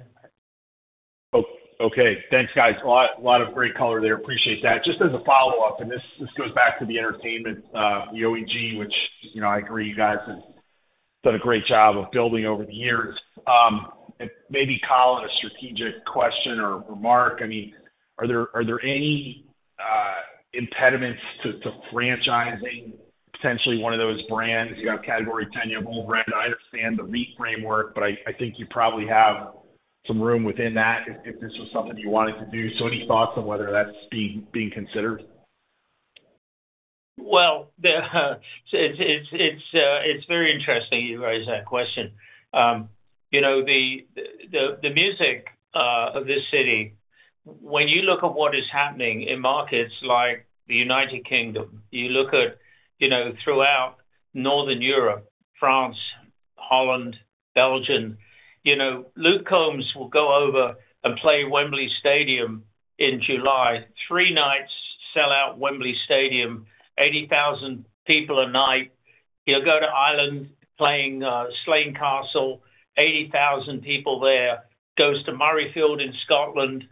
Okay. Thanks, guys. A lot of great color there. Appreciate that. Just as a follow-up, and this goes back to the entertainment, the OEG, which, you know, I agree, you guys have done a great job of building over the years. Maybe, Colin, a strategic question or remark. I mean, are there any impediments to franchising potentially one of those brands? You got Category 10, you have Ole Red. I understand the REIT framework, but I think you probably have some room within that if this was something you wanted to do. Any thoughts on whether that's being considered? Well, it's very interesting you raise that question. You know, the music of this city, when you look at what is happening in markets like the United Kingdom, you look at, you know, throughout Northern Europe, France, Holland, Belgium, you know, Luke Combs will go over and play Wembley Stadium in July. Three nights, sellout Wembley Stadium, 80,000 people a night. He'll go to Ireland, playing Slane Castle, 80,000 people there. Goes to Murrayfield in Scotland,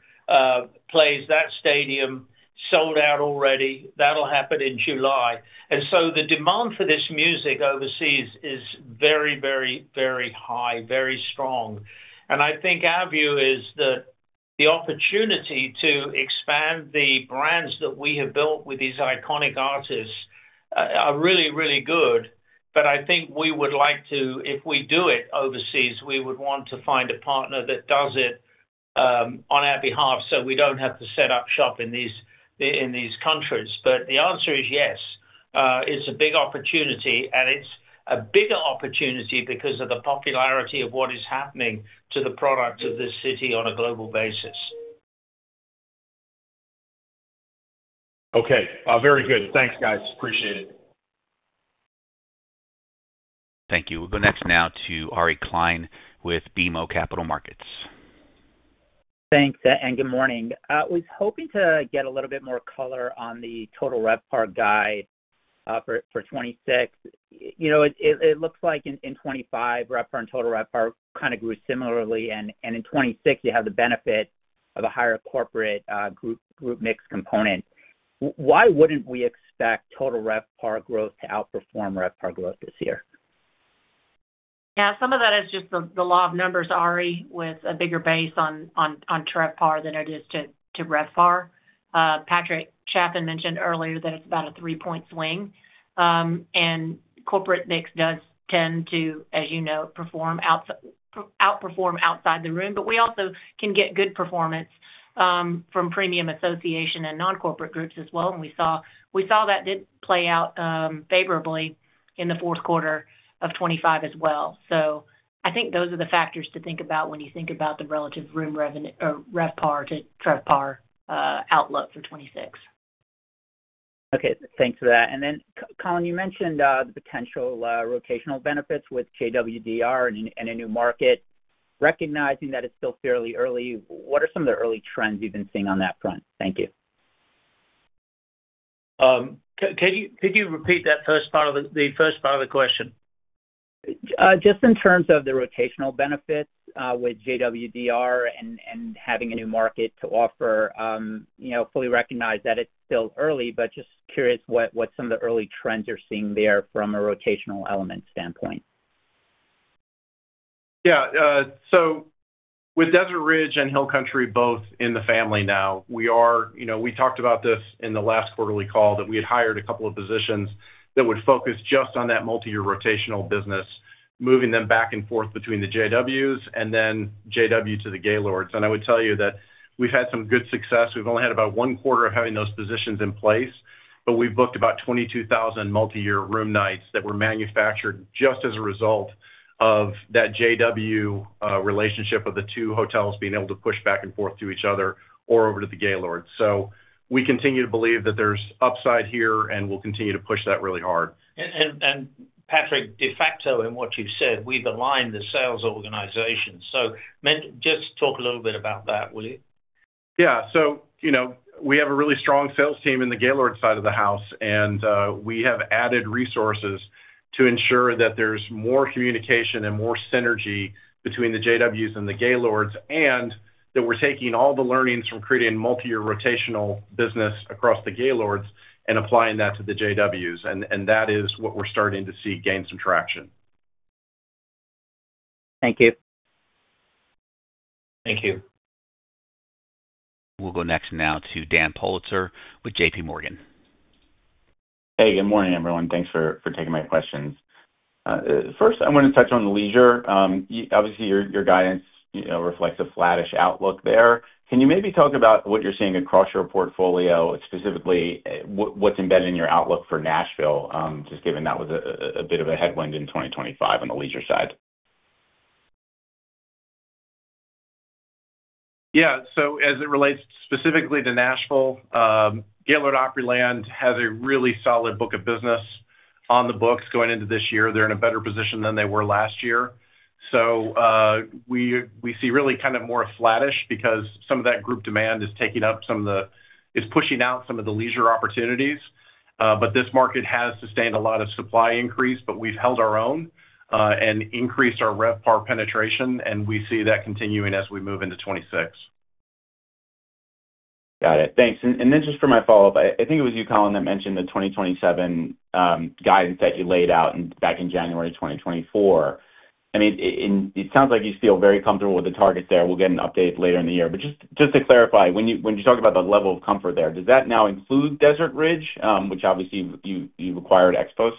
plays that stadium, sold out already. That'll happen in July. The demand for this music overseas is very, very, very high, very strong. I think our view is that the opportunity to expand the brands that we have built with these iconic artists are really, really good. I think we would like to, if we do it overseas, we would want to find a partner that does it on our behalf, so we don't have to set up shop in these countries. The answer is yes. It's a big opportunity, and it's a bigger opportunity because of the popularity of what is happening to the product of this city on a global basis. Okay. very good. Thanks, guys. Appreciate it. Thank you. We'll go next now to Ari Klein with BMO Capital Markets. Thanks, good morning. I was hoping to get a little bit more color on the total RevPAR guide for 26. You know, it looks like in 25, RevPAR and total RevPAR kind of grew similarly, and in 26, you have the benefit of a higher corporate group mix component. Why wouldn't we expect total RevPAR growth to outperform RevPAR growth this year? Yeah, some of that is just the law of numbers, Ari, with a bigger base on, on TRevPAR than it is to RevPAR. Patrick Chapman mentioned earlier that it's about a three-point swing. Corporate mix does tend to, as you know, perform outperform outside the room. We also can get good performance, from premium association and non-corporate groups as well, and we saw that did play out, favorably in the fourth quarter of 2025 as well. I think those are the factors to think about when you think about the relative room revenue or RevPAR to TRevPAR, outlook for 2026. Okay, thanks for that. Colin, you mentioned the potential rotational benefits with JWDR and a new market. Recognizing that it's still fairly early, what are some of the early trends you've been seeing on that front? Thank you. Can you, could you repeat that first part of the first part of the question? Just in terms of the rotational benefits, with JWDR and having a new market to offer, you know, fully recognize that it's still early, but just curious what some of the early trends you're seeing there from a rotational element standpoint. Yeah, with Desert Ridge and Hill Country both in the family now. You know, we talked about this in the last quarterly call, that we had hired a couple of positions that would focus just on that multi-year rotational business, moving them back and forth between the JWs and then JW to the Gaylords. I would tell you that we've had some good success. We've only had about one quarter of having those positions in place, but we've booked about 22,000 multi-year room nights that were manufactured just as a result of that JW relationship of the two hotels being able to push back and forth to each other or over to the Gaylord. We continue to believe that there's upside here, and we'll continue to push that really hard. Patrick, de facto, in what you've said, we've aligned the sales organization. Just talk a little bit about that, will you? Yeah. You know, we have a really strong sales team in the Gaylord side of the house, and we have added resources to ensure that there's more communication and more synergy between the JWs and the Gaylords, and that we're taking all the learnings from creating multi-year rotational business across the Gaylords and applying that to the JWs. That is what we're starting to see gain some traction. Thank you. Thank you. We'll go next now to Daniel Politzer with JPMorgan. Hey, good morning, everyone. Thanks for taking my questions. first, I want to touch on leisure. obviously, your guidance, you know, reflects a flattish outlook there. Can you maybe talk about what you're seeing across your portfolio, specifically, what's embedded in your outlook for Nashville, just given that was a bit of a headwind in 2025 on the leisure side? Yeah. As it relates specifically to Nashville, Gaylord Opryland has a really solid book of business on the books going into this year. They're in a better position than they were last year. We, we see really kind of more flattish because some of that group demand is pushing out some of the leisure opportunities. This market has sustained a lot of supply increase, but we've held our own, and increased our RevPAR penetration, and we see that continuing as we move into 2026. Got it. Thanks. Then just for my follow-up, I think it was you, Colin, that mentioned the 2027 guidance that you laid out back in January 2024. I mean, and it sounds like you feel very comfortable with the targets there. We'll get an update later in the year. Just to clarify, when you talk about the level of comfort there, does that now include Desert Ridge, which obviously you acquired ex-post?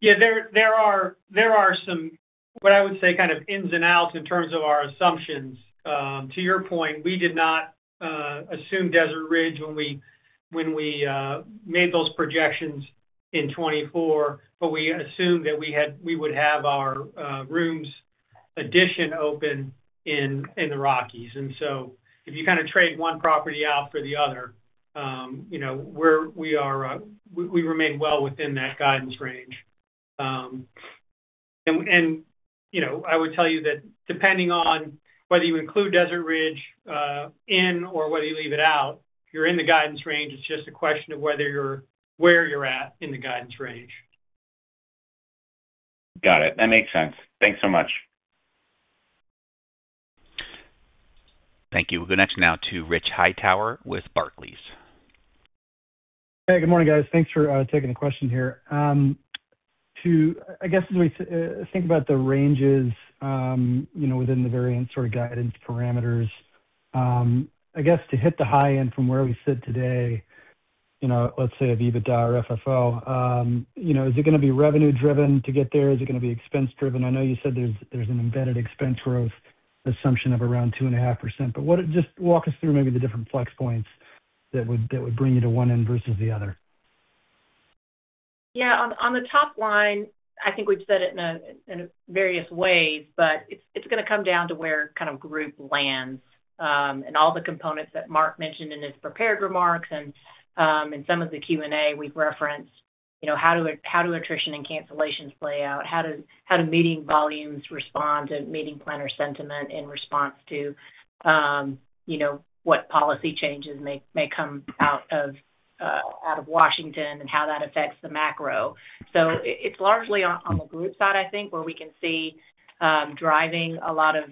Yeah, there are some, what I would say, kind of ins and outs in terms of our assumptions. To your point, we did not assume Desert Ridge when we made those projections in 2024, but we assumed that we would have our rooms addition open in the Rockies. If you kind of trade one property out for the other, you know, we are, we remain well within that guidance range. And, you know, I would tell you that depending on whether you include Desert Ridge in or whether you leave it out, you're in the guidance range, it's just a question of where you're at in the guidance range. Got it. That makes sense. Thanks so much. Thank you. We'll go next now to Rich Hightower with Barclays. Hey, good morning, guys. Thanks for taking the question here. I guess, as we think about the ranges, you know, within the variant sort of guidance parameters, I guess, to hit the high end from where we sit today, you know, let's say EBITDA or FFO, you know, is it going to be revenue driven to get there? Is it going to be expense driven? I know you said there's an embedded expense growth assumption of around 2.5%. Just walk us through maybe the different flex points that would bring you to one end versus the other. Yeah. On the top line, I think we've said it in various ways, but it's going to come down to where kind of group lands, and all the components that Mark mentioned in his prepared remarks and in some of the Q&A we've referenced, you know, how do attrition and cancellations play out? How do meeting volumes respond to meeting planner sentiment in response to, you know, what policy changes may come out of Washington and how that affects the macro? It's largely on the group side, I think, where we can see driving a lot of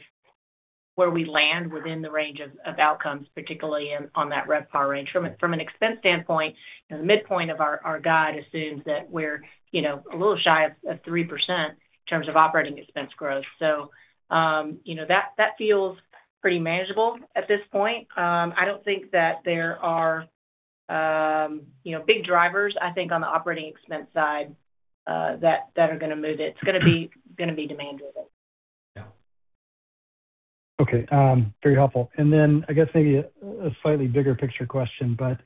where we land within the range of outcomes, particularly on that RevPAR range. From an expense standpoint, you know, the midpoint of our guide assumes that we're, you know, a little shy of 3% in terms of operating expense growth. You know, that feels pretty manageable at this point. I don't think that there are, you know, big drivers, I think, on the operating expense side, that are going to move it. It's going to be demand driven. Yeah. Okay, very helpful. I guess maybe a slightly bigger picture question, but,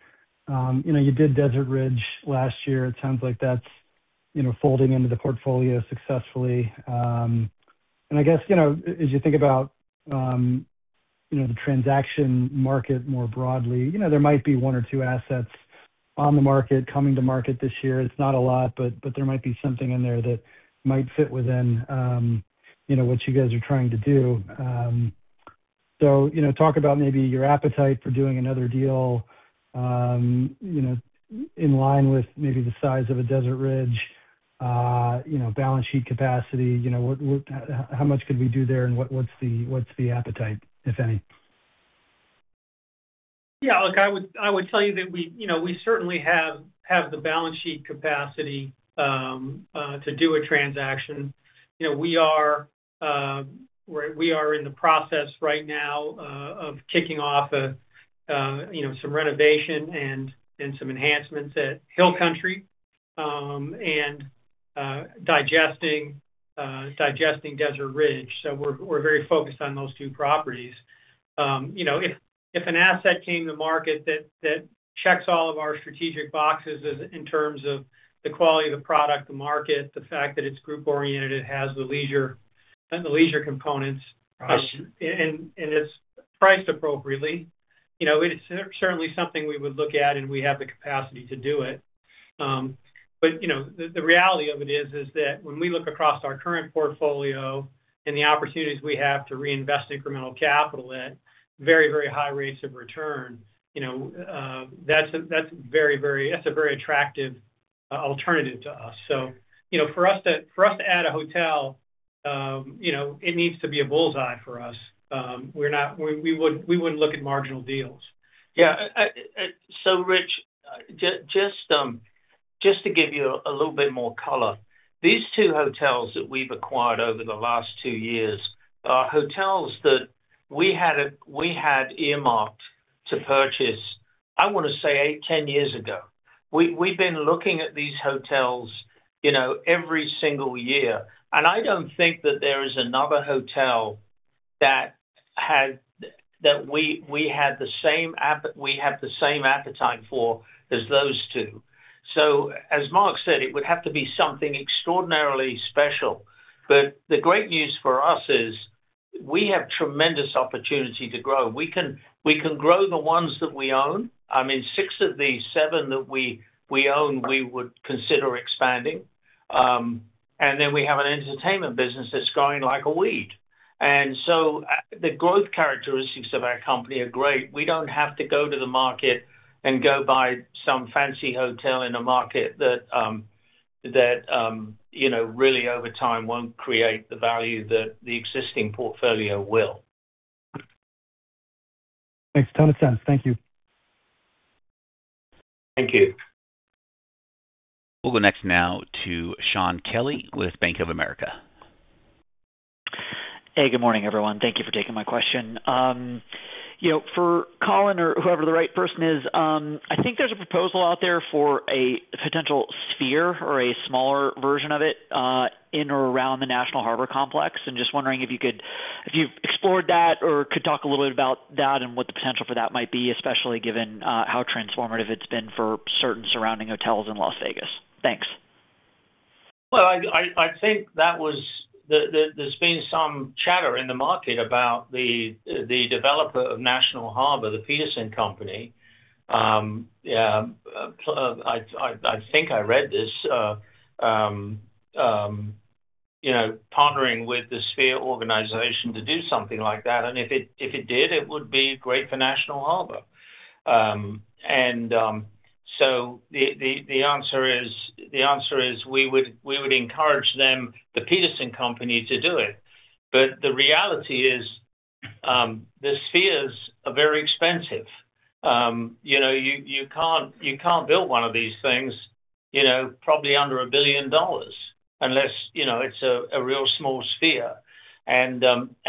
you know, you did Desert Ridge last year. It sounds like that's, you know, folding into the portfolio successfully. I guess, you know, as you think about, you know, the transaction market more broadly, you know, there might be one or two assets on the market, coming to market this year. It's not a lot, but there might be something in there that might fit within, you know, what you guys are trying to do. You know, talk about maybe your appetite for doing another deal, you know, in line with maybe the size of a Desert Ridge, you know, balance sheet capacity. You know, what how much could we do there, and what's the appetite, if any? Yeah, look, I would tell you that we, you know, we certainly have the balance sheet capacity to do a transaction. You know, we are in the process right now of kicking off a, you know, some renovation and some enhancements at Hill Country, and digesting Desert Ridge. We're very focused on those two properties. You know, if an asset came to market that checks all of our strategic boxes in terms of the quality of the product, the market, the fact that it's group-oriented, it has the leisure components, and it's priced appropriately, you know, it's certainly something we would look at, and we have the capacity to do it. you know, the reality of it is that when we look across our current portfolio and the opportunities we have to reinvest incremental capital at very, very high rates of return, you know, that's a very, very attractive alternative to us. you know, for us to add a hotel, you know, it needs to be a bullseye for us. we wouldn't look at marginal deals. Yeah. Rich- Just, just to give you a little bit more color, these two hotels that we've acquired over the last two years are hotels that we had earmarked to purchase, I wanna say eight, 10 years ago. We've been looking at these hotels, you know, every single year, and I don't think that there is another hotel that had that we had the same appetite for as those two. As Mark said, it would have to be something extraordinarily special. The great news for us is we have tremendous opportunity to grow. We can, we can grow the ones that we own. I mean, six of the seven that we own, we would consider expanding. Then we have an entertainment business that's growing like a weed. The growth characteristics of our company are great. We don't have to go to the market and go buy some fancy hotel in a market that, you know, really over time won't create the value that the existing portfolio will. Makes a ton of sense. Thank you. Thank you. We'll go next now to Shaun Kelley with Bank of America. Hey, good morning, everyone. Thank you for taking my question. You know, for Colin or whoever the right person is, I think there's a proposal out there for a potential sphere or a smaller version of it, in or around the National Harbor Complex. Just wondering if you've explored that or could talk a little bit about that and what the potential for that might be, especially given how transformative it's been for certain surrounding hotels in Las Vegas. Thanks. Well, I think that was. The there's been some chatter in the market about the developer of National Harbor, the Peterson Company. Yeah, I think I read this, you know, partnering with the Sphere organization to do something like that, and if it, if it did, it would be great for National Harbor. The answer is we would encourage them, the Peterson Company, to do it. The reality is, the spheres are very expensive. You know, you can't build one of these things, you know, probably under $1 billion, unless, you know, it's a real small sphere. You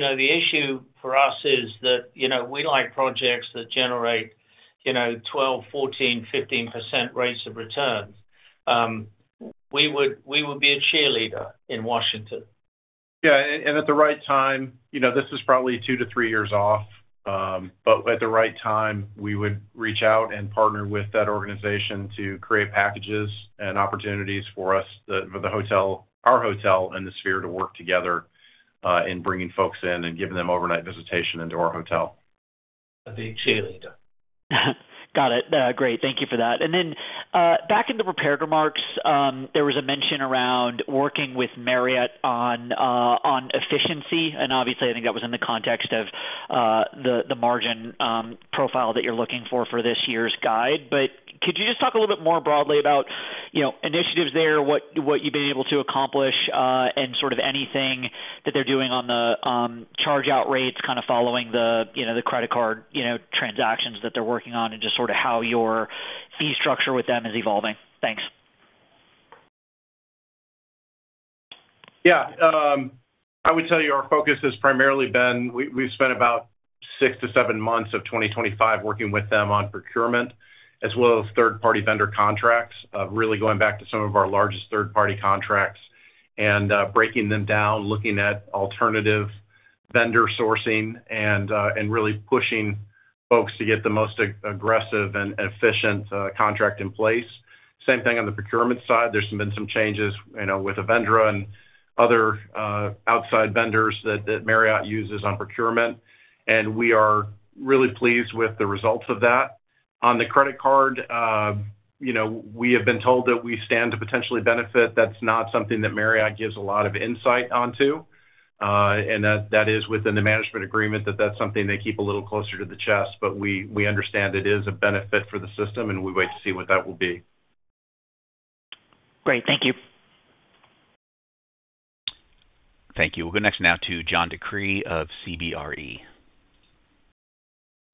know, the issue for us is that, you know, we like projects that generate, you know, 12%, 14%, 15% rates of return. We would be a cheerleader in Washington. At the right time, you know, this is probably two to three years off, at the right time, we would reach out and partner with that organization to create packages and opportunities for us, for the hotel, our hotel, and the Sphere to work together, in bringing folks in and giving them overnight visitation into our hotel. A big cheerleader. Got it. Great, thank you for that. Then, back in the prepared remarks, there was a mention around working with Marriott on efficiency, and obviously, I think that was in the context of the margin profile that you're looking for for this year's guide. Could you just talk a little bit more broadly about, you know, initiatives there, what you've been able to accomplish, and sort of anything that they're doing on the charge-out rates, kind of following the, you know, the credit card, you know, transactions that they're working on, and just sort of how your fee structure with them is evolving? Thanks. Yeah, I would tell you our focus has primarily been. We've spent about six to seven months of 2025 working with them on procurement as well as third-party vendor contracts, really going back to some of our largest third-party contracts and breaking them down, looking at alternative vendor sourcing and really pushing folks to get the most aggressive and efficient contract in place. Same thing on the procurement side. There's been some changes, you know, with Avendra and other outside vendors that Marriott uses on procurement, and we are really pleased with the results of that. On the credit card, you know, we have been told that we stand to potentially benefit. That's not something that Marriott gives a lot of insight onto, and that is within the management agreement, that that's something they keep a little closer to the chest. We understand it is a benefit for the system, and we wait to see what that will be. Great. Thank you. Thank you. We'll go next now to John DeCree of CBRE.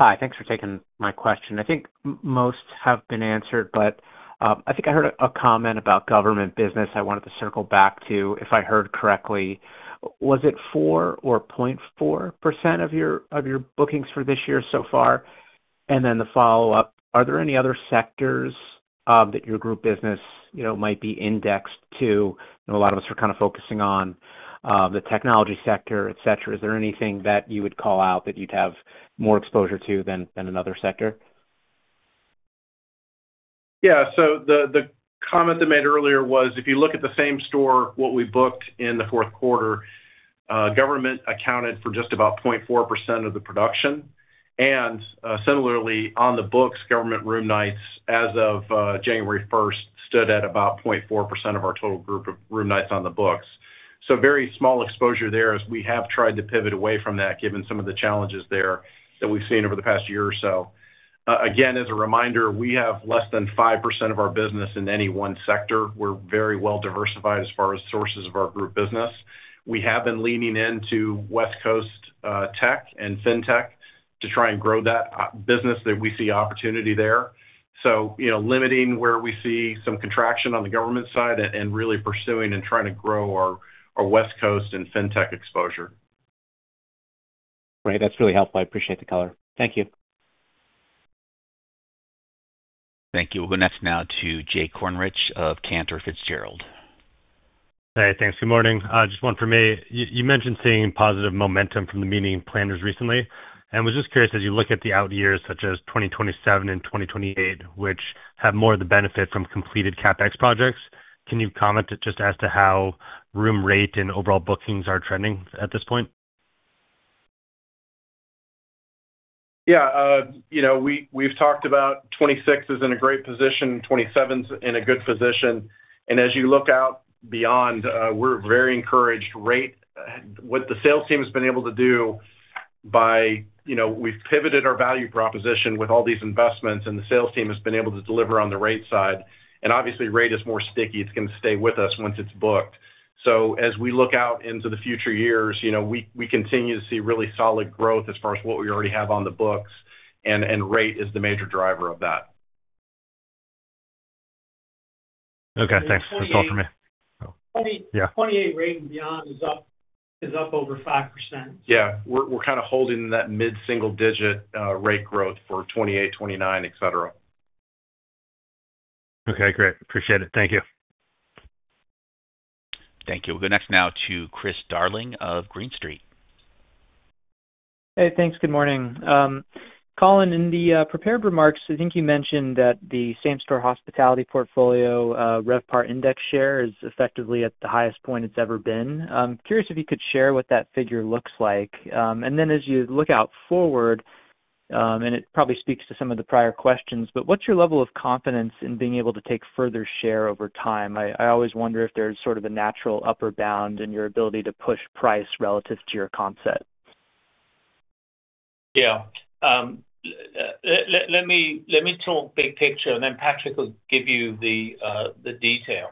Hi. Thanks for taking my question. I think most have been answered, but, I think I heard a comment about government business I wanted to circle back to, if I heard correctly. Was it 4% or 0.4% of your, of your bookings for this year so far? The follow-up, are there any other sectors, that your group business, you know, might be indexed to? I know a lot of us are kind of focusing on, the technology sector, et cetera. Is there anything that you would call out that you'd have more exposure to than another sector? The comment I made earlier was, if you look at the same-store, what we booked in the fourth quarter, government accounted for just about 0.4% of the production. Similarly, on the books, government room nights, as of January 1st, stood at about 0.4% of our total group of room nights on the books. Very small exposure there as we have tried to pivot away from that, given some of the challenges there that we've seen over the past year or so. Again, as a reminder, we have less than 5% of our business in any one sector. We're very well diversified as far as sources of our group business. We have been leaning into West Coast, tech and Fintech to try and grow that business that we see opportunity there. you know, limiting where we see some contraction on the government side and really pursuing and trying to grow our West Coast and Fintech exposure. Great. That's really helpful. I appreciate the color. Thank you. Thank you. We'll go next now to Jay Kornreich of Cantor Fitzgerald. Hey, thanks. Good morning. Just one for me. You mentioned seeing positive momentum from the meeting planners recently, was just curious, as you look at the out years, such as 2027 and 2028, which have more of the benefit from completed CapEx projects, can you comment just as to how room rate and overall bookings are trending at this point? Yeah, you know, we've talked about 2026 is in a great position, 2027 is in a good position. As you look out beyond, we're very encouraged. What the sales team has been able to do by, you know, we've pivoted our value proposition with all these investments, and the sales team has been able to deliver on the rate side. Obviously, rate is more sticky. It's going to stay with us once it's booked. As we look out into the future years, you know, we continue to see really solid growth as far as what we already have on the books, and rate is the major driver of that. Okay, thanks. That's all for me. '28, Yeah. 2028 rate and beyond is up over 5%. Yeah, we're kind of holding that mid-single-digit rate growth for 2028, 2029, et cetera. Okay, great. Appreciate it. Thank you. Thank you. We'll go next now to Chris Darling of Green Street. Hey, thanks. Good morning. Colin, in the prepared remarks, I think you mentioned that the same-store hospitality portfolio, RevPAR index share is effectively at the highest point it's ever been. Curious if you could share what that figure looks like. As you look out forward, and it probably speaks to some of the prior questions, but what's your level of confidence in being able to take further share over time? I always wonder if there's sort of a natural upper bound in your ability to push price relative to your concept. Yeah. Let me talk big picture, and then Patrick will give you the detail.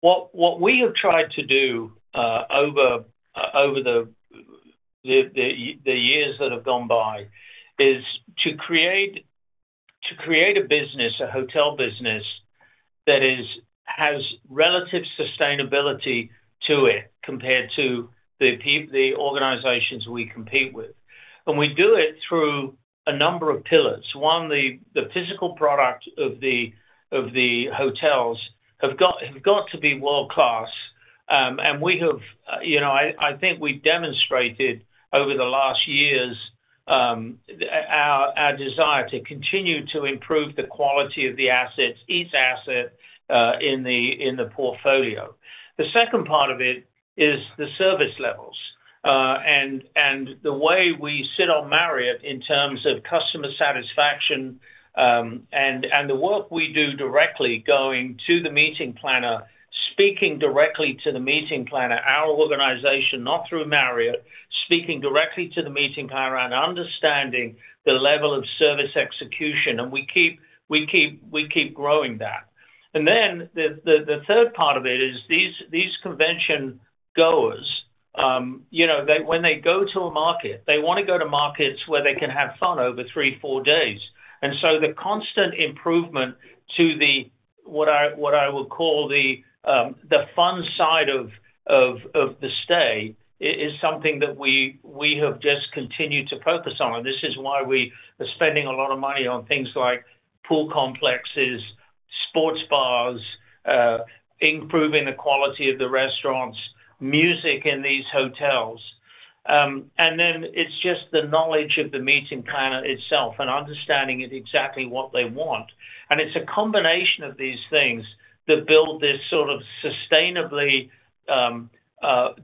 What we have tried to do, over the years that have gone by, is to create a business, a hotel business, that has relative sustainability to it, compared to the organizations we compete with. We do it through a number of pillars. One, the physical product of the hotels have got to be world-class. And we have, you know, I think we've demonstrated over the last years, our desire to continue to improve the quality of the assets, each asset, in the portfolio. The second part of it is the service levels, and the way we sit on Marriott in terms of customer satisfaction, and the work we do directly going to the meeting planner, speaking directly to the meeting planner, our organization, not through Marriott, speaking directly to the meeting planner and understanding the level of service execution, and we keep growing that. The third part of it is these convention goers, you know, when they go to a market, they wanna go to markets where they can have fun over three, four days. The constant improvement to the what I will call the fun side of the stay is something that we have just continued to focus on. This is why we are spending a lot of money on things like pool complexes, sports bars, improving the quality of the restaurants, music in these hotels. It's just the knowledge of the meeting planner itself and understanding exactly what they want. It's a combination of these things that build this sort of sustainably,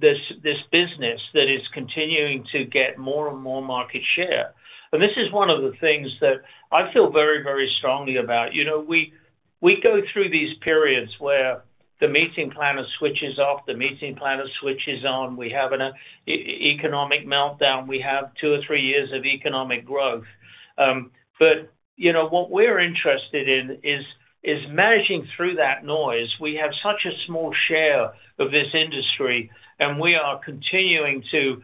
this business that is continuing to get more and more market share. This is one of the things that I feel very strongly about. You know, we go through these periods where the meeting planner switches off, the meeting planner switches on. We have an economic meltdown. We have two or three years of economic growth. You know, what we're interested in is managing through that noise. We have such a small share of this industry, and we are continuing to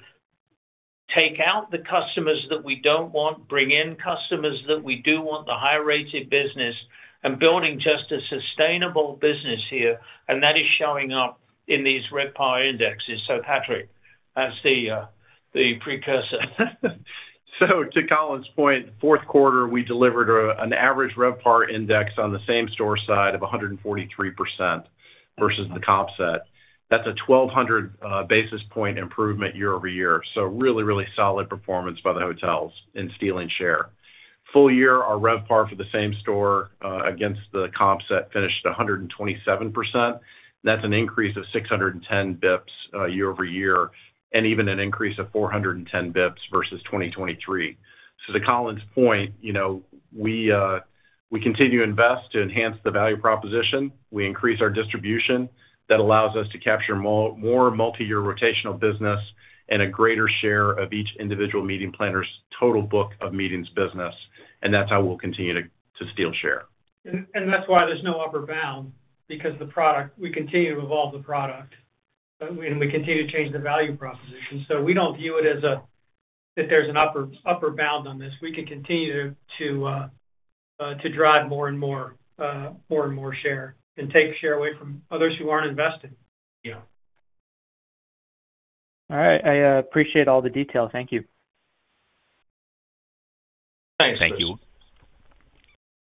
take out the customers that we don't want, bring in customers that we do want, the high-rated business, and building just a sustainable business here, and that is showing up in these RevPAR indexes. Patrick, that's the precursor. To Colin's point, fourth quarter, we delivered an average RevPAR index on the same-store side of 143% versus the comp set. That's a 1,200 basis point improvement year-over-year. Really solid performance by the hotels in stealing share. Full year, our RevPAR for the same-store against the comp set finished 127%. That's an increase of 610 basis points year-over-year, and even an increase of 410 basis points versus 2023. To Colin's point, you know, we continue to invest to enhance the value proposition. We increase our distribution. That allows us to capture more multi-year rotational business, and a greater share of each individual meeting planner's total book of meetings business, and that's how we'll continue to steal share. That's why there's no upper bound, because we continue to evolve the product, and we continue to change the value proposition. We don't view it that there's an upper bound on this. We can continue to drive more and more share, and take share away from others who aren't investing, you know. All right. I appreciate all the detail. Thank you. Thanks. Thank you.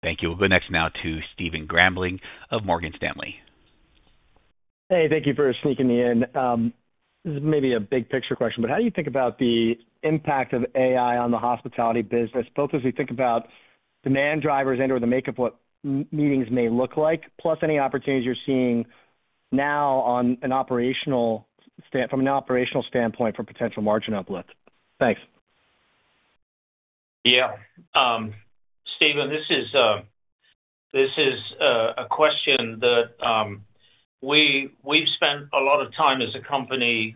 Thank you. We'll go next now to Stephen Grambling of Morgan Stanley. Hey, thank you for sneaking me in. This may be a big picture question, but how do you think about the impact of AI on the hospitality business, both as we think about demand drivers and/or the makeup what meetings may look like, plus any opportunities you're seeing now from an operational standpoint for potential margin uplift? Thanks. Yeah. Stephen, this is this is a question that we've spent a lot of time as a company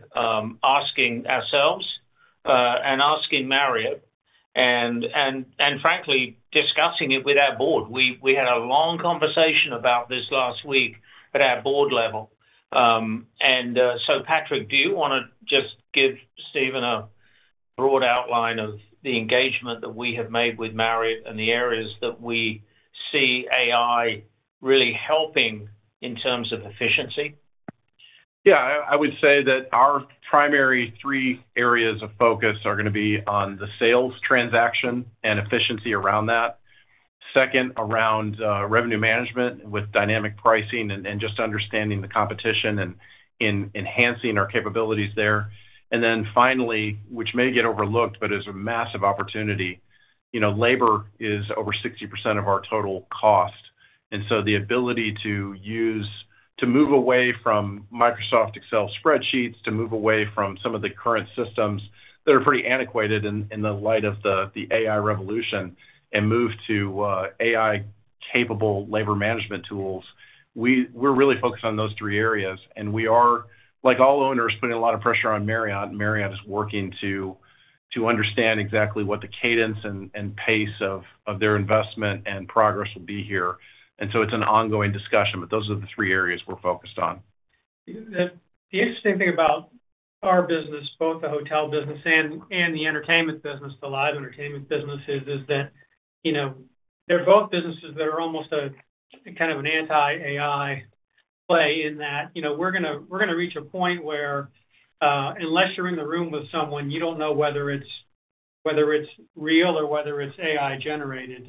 asking ourselves and asking Marriott, and frankly discussing it with our board. We had a long conversation about this last week at our board level. Patrick, do you wanna just give Stephen a broad outline of the engagement that we have made with Marriott and the areas that we see AI really helping in terms of efficiency? Yeah. I would say that our primary three areas of focus are gonna be on the sales transaction and efficiency around that. Second, around revenue management with dynamic pricing and just understanding the competition and enhancing our capabilities there. Finally, which may get overlooked, but is a massive opportunity, you know, labor is over 60% of our total cost, the ability to use... To move away from Microsoft Excel spreadsheets, to move away from some of the current systems that are pretty antiquated in the light of the AI revolution, and move to AI-capable labor management tools, We're really focused on those three areas, and we are, like all owners, putting a lot of pressure on Marriott, and Marriott is working to understand exactly what the cadence and pace of their investment and progress will be here. It's an ongoing discussion, but those are the three areas we're focused on. The interesting thing about our business, both the hotel business and the entertainment business, the live entertainment business is that, you know, they're both businesses that are almost kind of an anti-AI play in that, you know, we're gonna reach a point where, unless you're in the room with someone, you don't know whether it's real or whether it's AI-generated.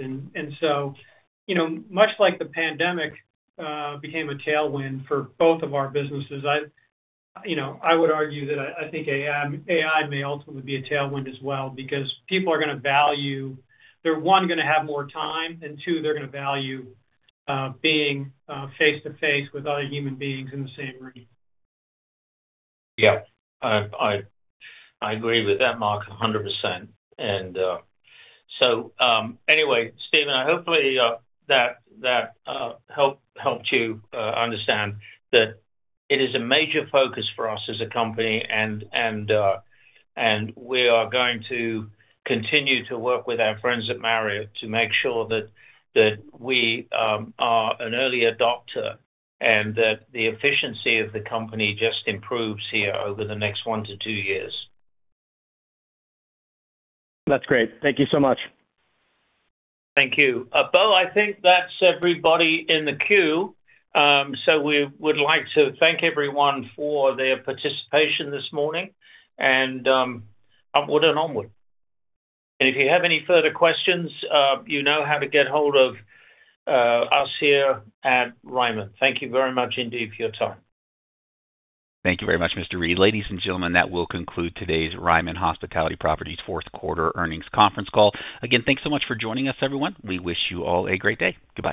you know, much like the pandemic became a tailwind for both of our businesses, I, you know, I would argue that I think AI may ultimately be a tailwind as well, because people are gonna value, they're, one, gonna have more time, and two, they're gonna value, being face-to-face with other human beings in the same room. Yeah. I agree with that, Mark, 100%. Anyway, Stephen, hopefully, that helped you understand that it is a major focus for us as a company and we are going to continue to work with our friends at Marriott to make sure that we are an early adopter, and that the efficiency of the company just improves here over the next one to two years. That's great. Thank you so much. Thank you. Bo, I think that's everybody in the queue. We would like to thank everyone for their participation this morning, and upward and onward. If you have any further questions, you know how to get hold of us here at Ryman. Thank you very much indeed for your time. Thank you very much, Mr. Reed. Ladies and gentlemen, that will conclude today's Ryman Hospitality Properties fourth quarter earnings conference call. Again, thanks so much for joining us, everyone. We wish you all a great day. Goodbye.